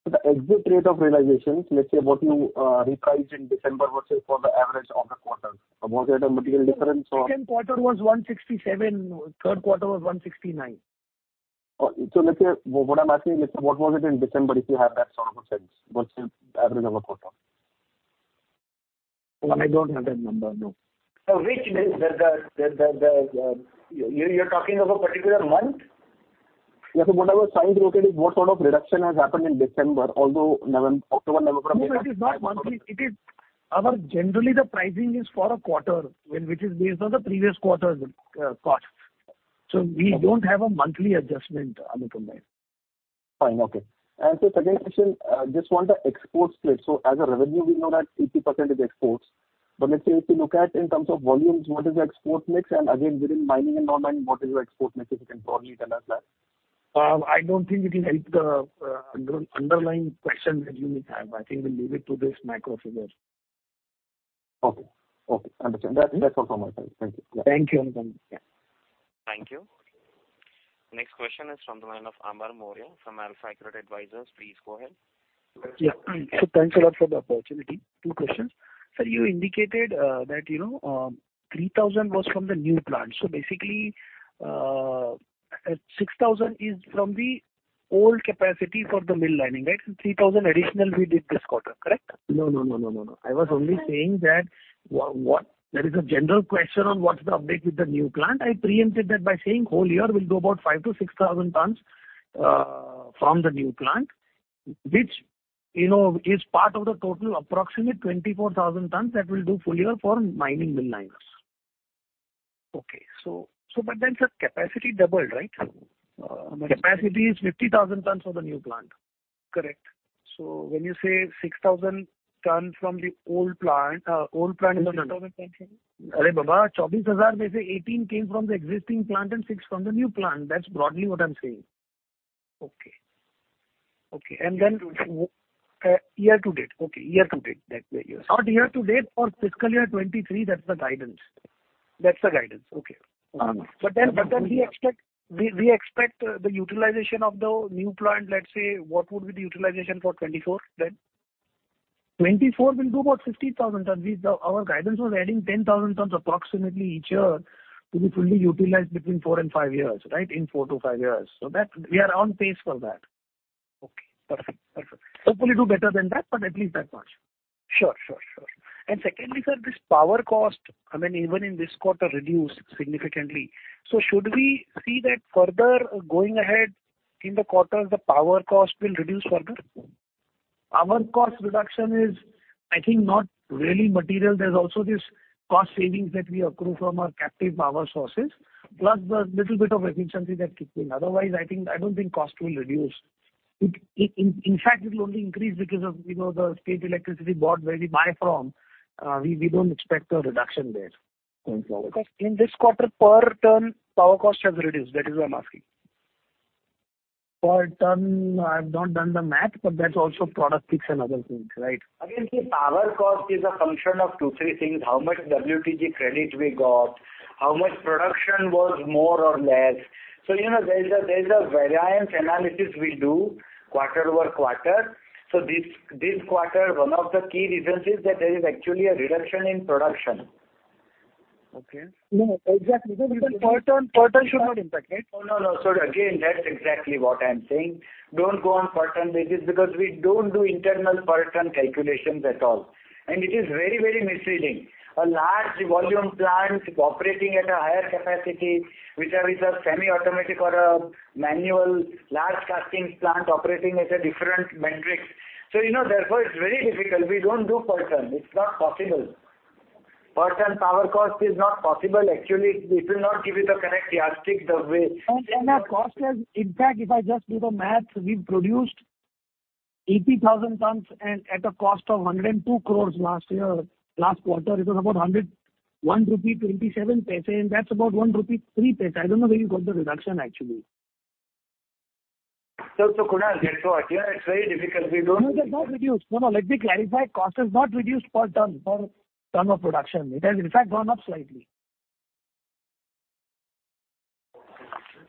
The exit rate of realization, let's say what you repriced in December versus for the average of the quarter. Was there a material difference? Second quarter was 167, third quarter was 169. Let's say, what I'm asking, let's say what was it in December, if you have that sort of a sense versus average of a quarter? I don't have that number, no. Which is the, you're talking of a particular month? Yeah. Whatever signs you looked at, what sort of reduction has happened in December, although November, October, November. No, it is not monthly. Generally the pricing is for a quarter when which is based on the previous quarter's cost. We don't have a monthly adjustment, Anupam, there. Fine. Okay. Second question, just want the export split. As a revenue, we know that 80% is exports. Let's say if you look at in terms of volumes, what is the export mix? Again, within mining and non-mining, what is your export mix, if you can broadly tell us that? I don't think it will help the underlying question that you may have. I think we'll leave it to this macro figure. Okay. Okay. Understood. That's all from my side. Thank you. Thank you, Anupam. Yeah. Thank you. Next question is from the line of Amar Maurya from AlfAccurate Advisors. Please go ahead. Yeah. Thanks a lot for the opportunity. Two questions. Sir, you indicated that, you know, 3,000 was from the new plant. Basically, 6,000 is from the old capacity for the Mill Lining, right? 3,000 additional we did this quarter, correct? No. I was only saying that there is a general question on what's the update with the new plant. I preempted that by saying whole year we'll do about 5,000-6,000 tons from the new plant, which, you know, is part of the total approximate 24,000 tons that we'll do full year for mining mill liners. Okay. Sir, capacity doubled, right? Capacity is 50,000 tons for the new plant. Correct. When you say 6,000 tons from the old plant. No, no. 18 came from the existing plant and 6 from the new plant. That's broadly what I'm saying. Okay. Okay. Then year-to-date. Okay, year-to-date. That's where. Not year-to-date. For fiscal year 2023, that's the guidance. That's the guidance. Okay. But then we expect the utilization of the new plant, let's say, what would be the utilization for 2024 then? 2024 we'll do about 50,000 tons. Our guidance was adding 10,000 tons approximately each year to be fully utilized between 4 and 5 years, right? In 4 to 5 years. That we are on pace for that. Okay, perfect. Perfect. Hopefully do better than that, but at least that much. Sure, sure. Secondly, sir, this power cost, I mean, even in this quarter reduced significantly. Should we see that further going ahead in the quarters, the power cost will reduce further? Power cost reduction is, I think, not really material. There's also this cost savings that we accrue from our captive power sources, plus the little bit of efficiency that kicks in. Otherwise, I don't think cost will reduce. It, in fact, it will only increase because of, you know, the state electricity board where we buy from, we don't expect a reduction there going forward. In this quarter per ton power cost has reduced. That is why I'm asking. Per ton, I've not done the math, but that's also product mix and other things, right? See, power cost is a function of two, three things. How much WTG credit we got, how much production was more or less. you know, there is a variance analysis we do quarter-over-quarter. this quarter, one of the key reasons is that there is actually a reduction in production. Okay. No, exactly. Because per ton should not impact, right? No. Again, that's exactly what I'm saying. Don't go on per ton basis because we don't do internal per ton calculations at all. It is very, very misleading. A large volume plant operating at a higher capacity, which are with a semi-automatic or a manual large casting plant operating as a different metric. you know, therefore it's very difficult. We don't do per ton. It's not possible. Per ton power cost is not possible. Actually, it will not give you the correct yardstick. Our cost has. In fact, if I just do the math, we've produced 80,000 tons at a cost of 102 crore last year. Last quarter it was about 1.27 rupee, and that's about 1.03 rupee. I don't know where you got the reduction, actually. Kunal, therefore it's very difficult. No, it has not reduced. Let me clarify. Cost has not reduced per ton of production. It has in fact gone up slightly.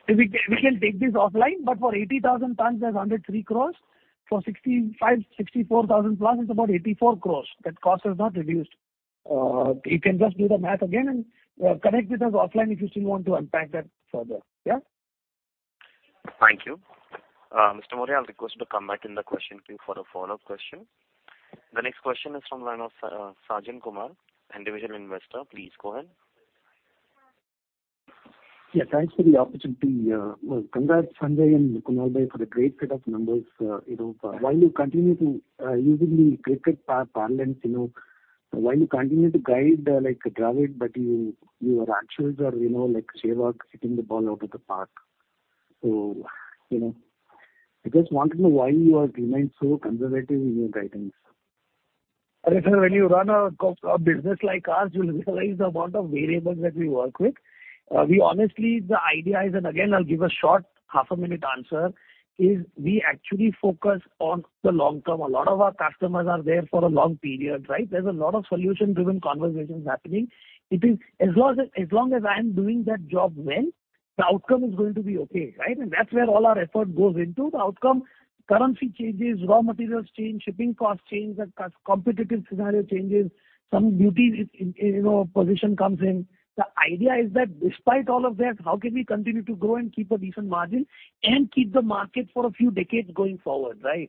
We can take this offline, for 80,000 tons there's 103 crore. For 65,000, 64,000 plus it's about 84 crore. That cost has not reduced. You can just do the math again and connect with us offline if you still want to unpack that further. Thank you. Mr. Maurya, I'll request you to come back in the question queue for a follow-up question. The next question is from the line of Sajen Kumar, individual investor. Please go ahead. Yeah, thanks for the opportunity. Well, congrats, Sanjay and Kunal bhai, for the great set of numbers. You know, while you continue to, usually cricket parlance, you know, while you continue to guide like Dravid, but you, your actuals are, you know, like Sehwag hitting the ball out of the park. You know, I just want to know why you have remained so conservative in your guidance. Sir, when you run a business like ours, you'll realize the amount of variables that we work with. We honestly, the idea is, and again, I'll give a short half a minute answer, is we actually focus on the long term. A lot of our customers are there for a long period, right? There's a lot of solution-driven conversations happening. It is as long as I'm doing that job well, the outcome is going to be okay, right? That's where all our effort goes into. The outcome, currency changes, raw materials change, shipping costs change. The competitive scenario changes. Some duties in, you know, position comes in. The idea is that despite all of that, how can we continue to grow and keep a decent margin and keep the market for a few decades going forward, right?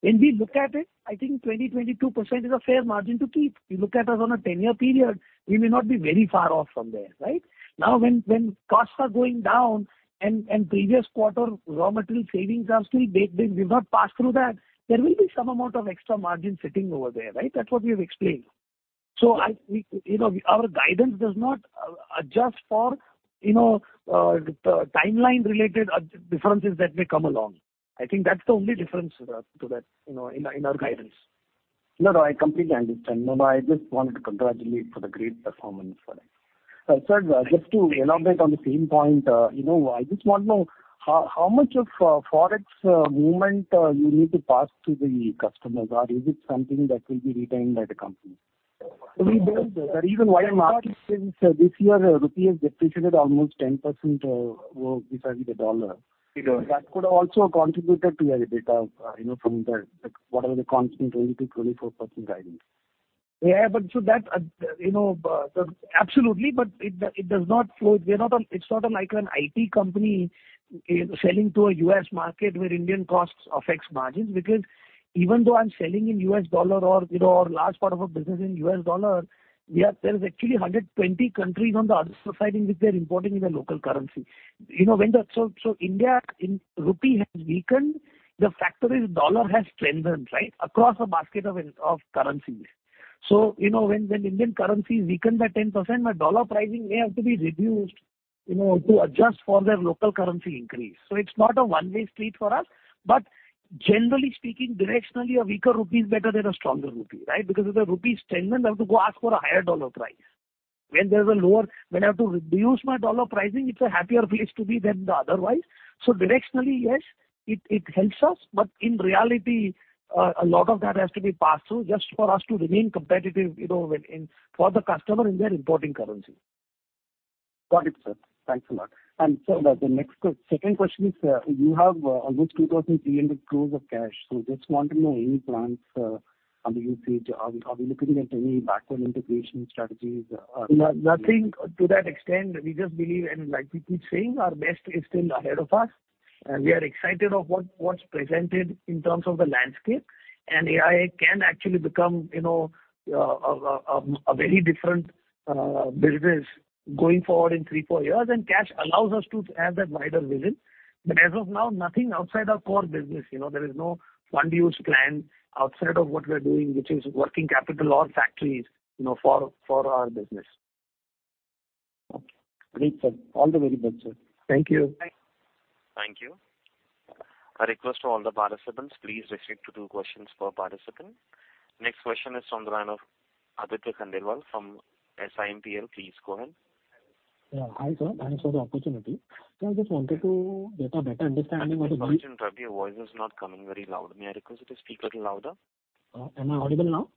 When we look at it, I think 20, 22% is a fair margin to keep. You look at us on a 10-year period, we may not be very far off from there, right? When costs are going down and previous quarter raw material savings are still there, we've not passed through that. There will be some amount of extra margin sitting over there, right? That's what we have explained. You know, our guidance does not adjust for, you know, timeline related differences that may come along. I think that's the only difference to that, you know, in our guidance. No, no, I completely understand. No, no, I just wanted to congratulate for the great performance. Sir, just to elaborate on the same point, you know, I just want to know how much of Forex movement you need to pass to the customers, or is it something that will be retained by the company? We build- The reason why I'm asking is this year rupee has depreciated almost 10%, vis-a-vis the dollar. Sure. That could have also contributed to your EBITDA, you know, like what are the constant 20%-24% guidance. So that, you know, absolutely. It does not flow. We are not a... It's not like an IT company, you know, selling to a U.S. market where Indian costs affects margins, because even though I'm selling in $ or, you know, or large part of our business in $, we are there is actually 120 countries on the other side in which they're importing in their local currency. You know, when the... India in rupee has weakened, the fact is dollar has strengthened, right? Across a basket of currencies. You know, when Indian currency is weakened by 10%, my dollar pricing may have to be reduced, you know, to adjust for their local currency increase. It's not a one-way street for us. Generally speaking, directionally a weaker rupee is better than a stronger rupee, right? Because if the rupee is strengthened, I have to go ask for a higher dollar price. When I have to reduce my dollar pricing, it's a happier place to be than the otherwise. Directionally, yes, it helps us, but in reality, a lot of that has to be passed through just for us to remain competitive, you know, for the customer in their importing currency. Got it, sir. Thanks a lot. Sir, the next second question is, you have almost 2,300 crore of cash. Just want to know any plans on the usage. Are we looking at any backward integration strategies or- No, nothing to that extent. We just believe and like we keep saying, our best is still ahead of us, and we are excited of what's presented in terms of the landscape. AI can actually become, you know, a very different business going forward in three, four years. Cash allows us to have that wider vision. As of now, nothing outside our core business. You know, there is no fund use plan outside of what we are doing, which is working capital or factories, you know, for our business. Great, sir. All the very best, sir. Thank you. Thank you. A request to all the participants, please restrict to two questions per participant. Next question is from the line of Aditya Khandelwal from SIMPL. Please go ahead. Yeah. Hi, sir, thanks for the opportunity. I just wanted to get a better understanding. Sorry to interrupt, your voice is not coming very loud. May I request you to speak little louder? Am I audible now?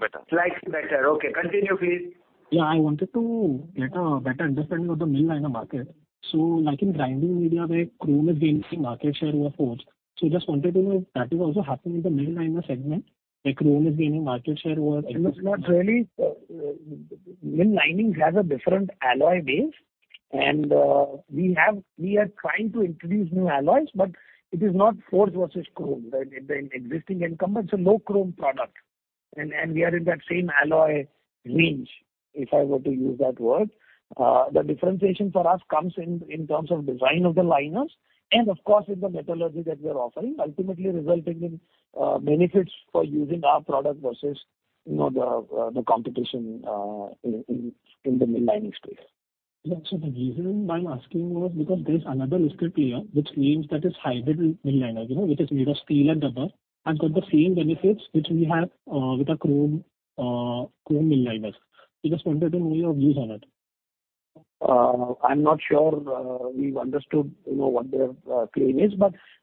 Better. Slightly better. Okay, continue, please. Yeah. I wanted to get a better understanding of the mill liner market. Like in grinding media, where chrome is gaining market share over forge. Just wanted to know if that is also happening in the mill liner segment where chrome is gaining market share over- It's not really, Mill Linings has a different alloy base, and we are trying to introduce new alloys, but it is not forge versus chrome. The existing incumbents are low chrome product and we are in that same alloy range, if I were to use that word. The differentiation for us comes in terms of design of the liners and of course with the metallurgy that we are offering, ultimately resulting in benefits for using our product versus, you know, the competition in the Mill Lining space. Yeah. The reason why I'm asking was because there's another player which claims that its hybrid mill liner, you know, which is made of steel and rubber, has got the same benefits which we have with the chrome mill liners. Just wanted to know your views on it. I'm not sure, we've understood, you know, what their claim is.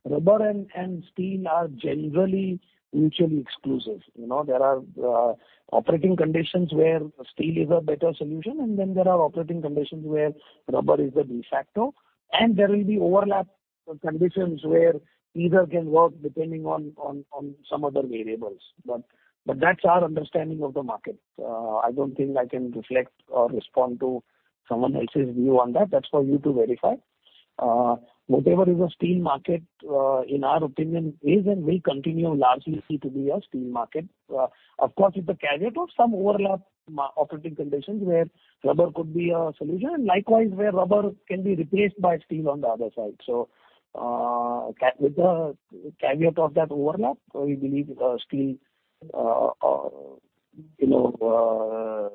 Rubber and steel are generally mutually exclusive. You know, there are operating conditions where steel is a better solution, and then there are operating conditions where rubber is the de facto. There will be overlap conditions where either can work depending on, on some other variables. But that's our understanding of the market. I don't think I can reflect or respond to someone else's view on that. That's for you to verify. Whatever is a steel market, in our opinion is and will continue largely see to be a steel market. Of course, with the caveat of some overlap operating conditions where rubber could be a solution, and likewise where rubber can be replaced by steel on the other side. So, with the caveat of that overlap, we believe, steel, you know,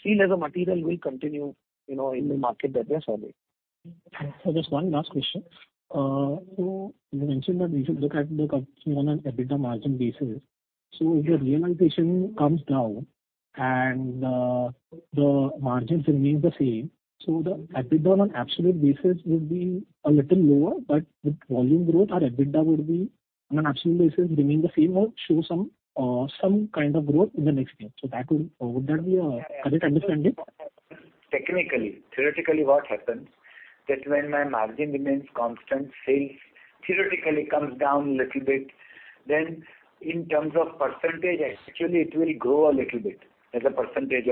steel as a material will continue, you know, in the market that they're serving. Just one last question. You mentioned that we should look at the company on an EBITDA margin basis. If your realization comes down and the margins remains the same, the EBITDA on absolute basis would be a little lower, but with volume growth, our EBITDA would be on an absolute basis remain the same or show some some kind of growth in the next year. Would that be a correct understanding? Technically. Theoretically, what happens that when my margin remains constant, sales theoretically comes down a little bit. In terms of %, actually it will grow a little bit as a %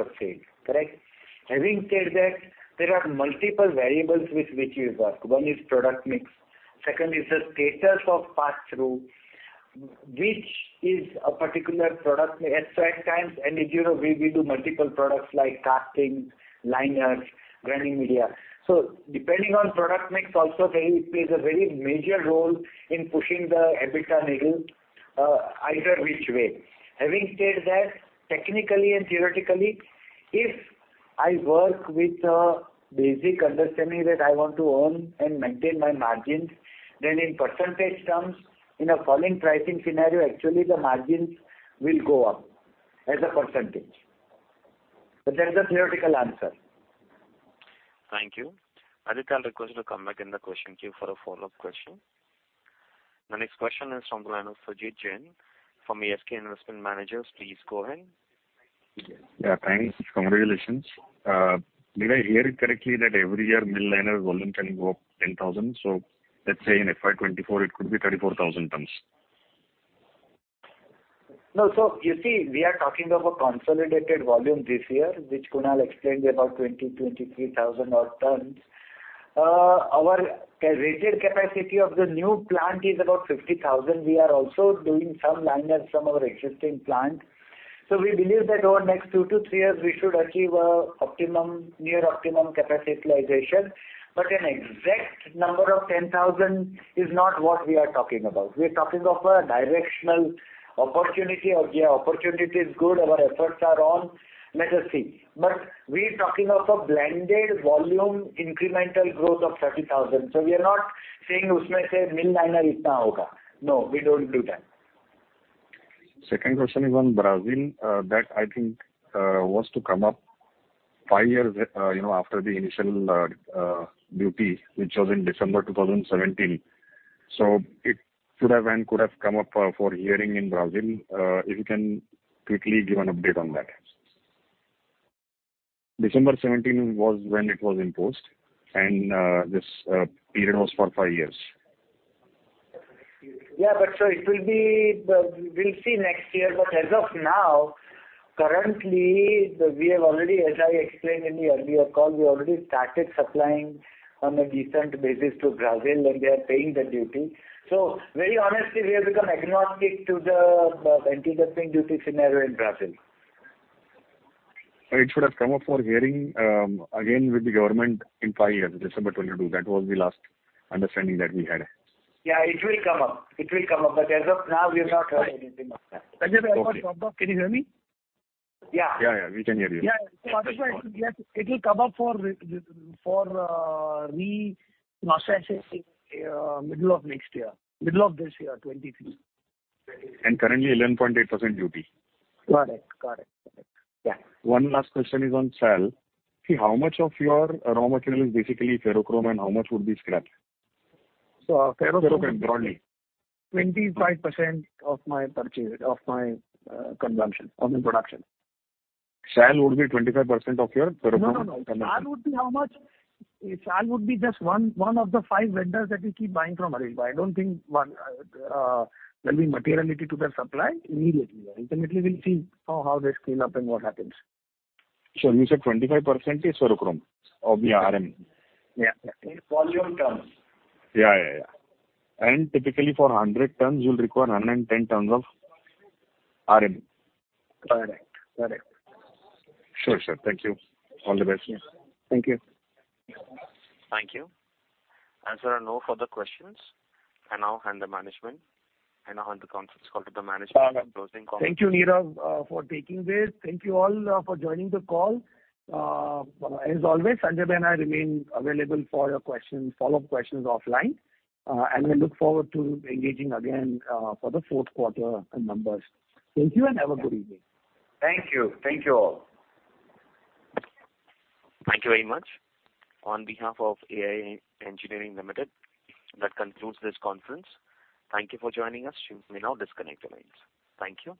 of sales, correct? Having said that, there are multiple variables with which we work. One is product mix, second is the status of passthrough, which is a particular product at certain times. You know, we do multiple products like castings, liners, grinding media. Depending on product mix also plays a very major role in pushing the EBITDA needle, either which way. Having said that, technically and theoretically, if I work with a basic understanding that I want to earn and maintain my margins, then in % terms, in a falling pricing scenario, actually the margins will go up as a %. That is a theoretical answer. Thank you. Aditya, I'll request you to come back in the question queue for a follow-up question. My next question is from the line of Sajid Jain from ASK Investment Managers. Please go ahead. Yeah, thanks. Congratulations. Did I hear it correctly that every year mill liner volume can go up 10,000? Let's say in FY 2024 it could be 34,000 tons. You see, we are talking of a consolidated volume this year, which Kunal explained about 20,000-23,000 odd tons. Our rated capacity of the new plant is about 50,000. We are also doing some liners from our existing plant. We believe that over next 2 to 3 years we should achieve optimum, near optimum capacity utilization. An exact number of 10,000 is not what we are talking about. We are talking of a directional opportunity, or the opportunity is good, our efforts are on, let us see. We're talking of a blended volume incremental growth of 30,000. We are not saying No, we don't do that. Second question is on Brazil, that I think was to come up five years, you know, after the initial duty, which was in December 2017. It should have and could have come up for hearing in Brazil. If you can quickly give an update on that. December 17 was when it was imposed and this period was for five years. It will be. We'll see next year. As of now, currently we have already, as I explained in the earlier call, we already started supplying on a decent basis to Brazil, and they are paying the duty. Very honestly, we have become agnostic to the anti-dumping duty scenario in Brazil. It should have come up for hearing, again with the government in five years, December 2022. That was the last understanding that we had. Yeah, it will come up. It will come up. As of now, we have not heard anything. Sajid, I have not dropped off. Can you hear me? Yeah. Yeah, we can hear you. Yeah. Aditya, it will come up for reassessment, middle of next year. Middle of this year, 2023. Currently 11.8% duty. Correct. Yeah. One last question is on SAL. How much of your raw material is basically ferrochrome and how much would be scrap? Our ferrochrome. Ferrochrome broadly. 25% of my purchase, of my consumption, of my production. SAL would be 25% of your ferrochrome consumption? No, no. SAL would be how much? SAL would be just one of the five vendors that we keep buying from, Rajesh. I don't think 1, there'll be materiality to their supply immediately. Ultimately, we'll see how they clean up and what happens. Sure. You said 25% is ferrochrome of your RM. Yeah. In volume terms. Yeah, yeah. Typically for 100 tons, you'll require 110 tons of RM. Correct. Sure, sir. Thank you. All the best. Thank you. Thank you. As there are no further questions, I now hand the conference call to the management for closing comments. Thank you, Nirav, for taking this. Thank you all, for joining the call. As always, Sanjay Majmudar and I remain available for your questions, follow-up questions offline. We look forward to engaging again, for the fourth quarter numbers. Thank you. Have a good evening. Thank you. Thank you all. Thank you very much. On behalf of AIA Engineering Limited, that concludes this conference. Thank you for joining us. You may now disconnect your lines. Thank you.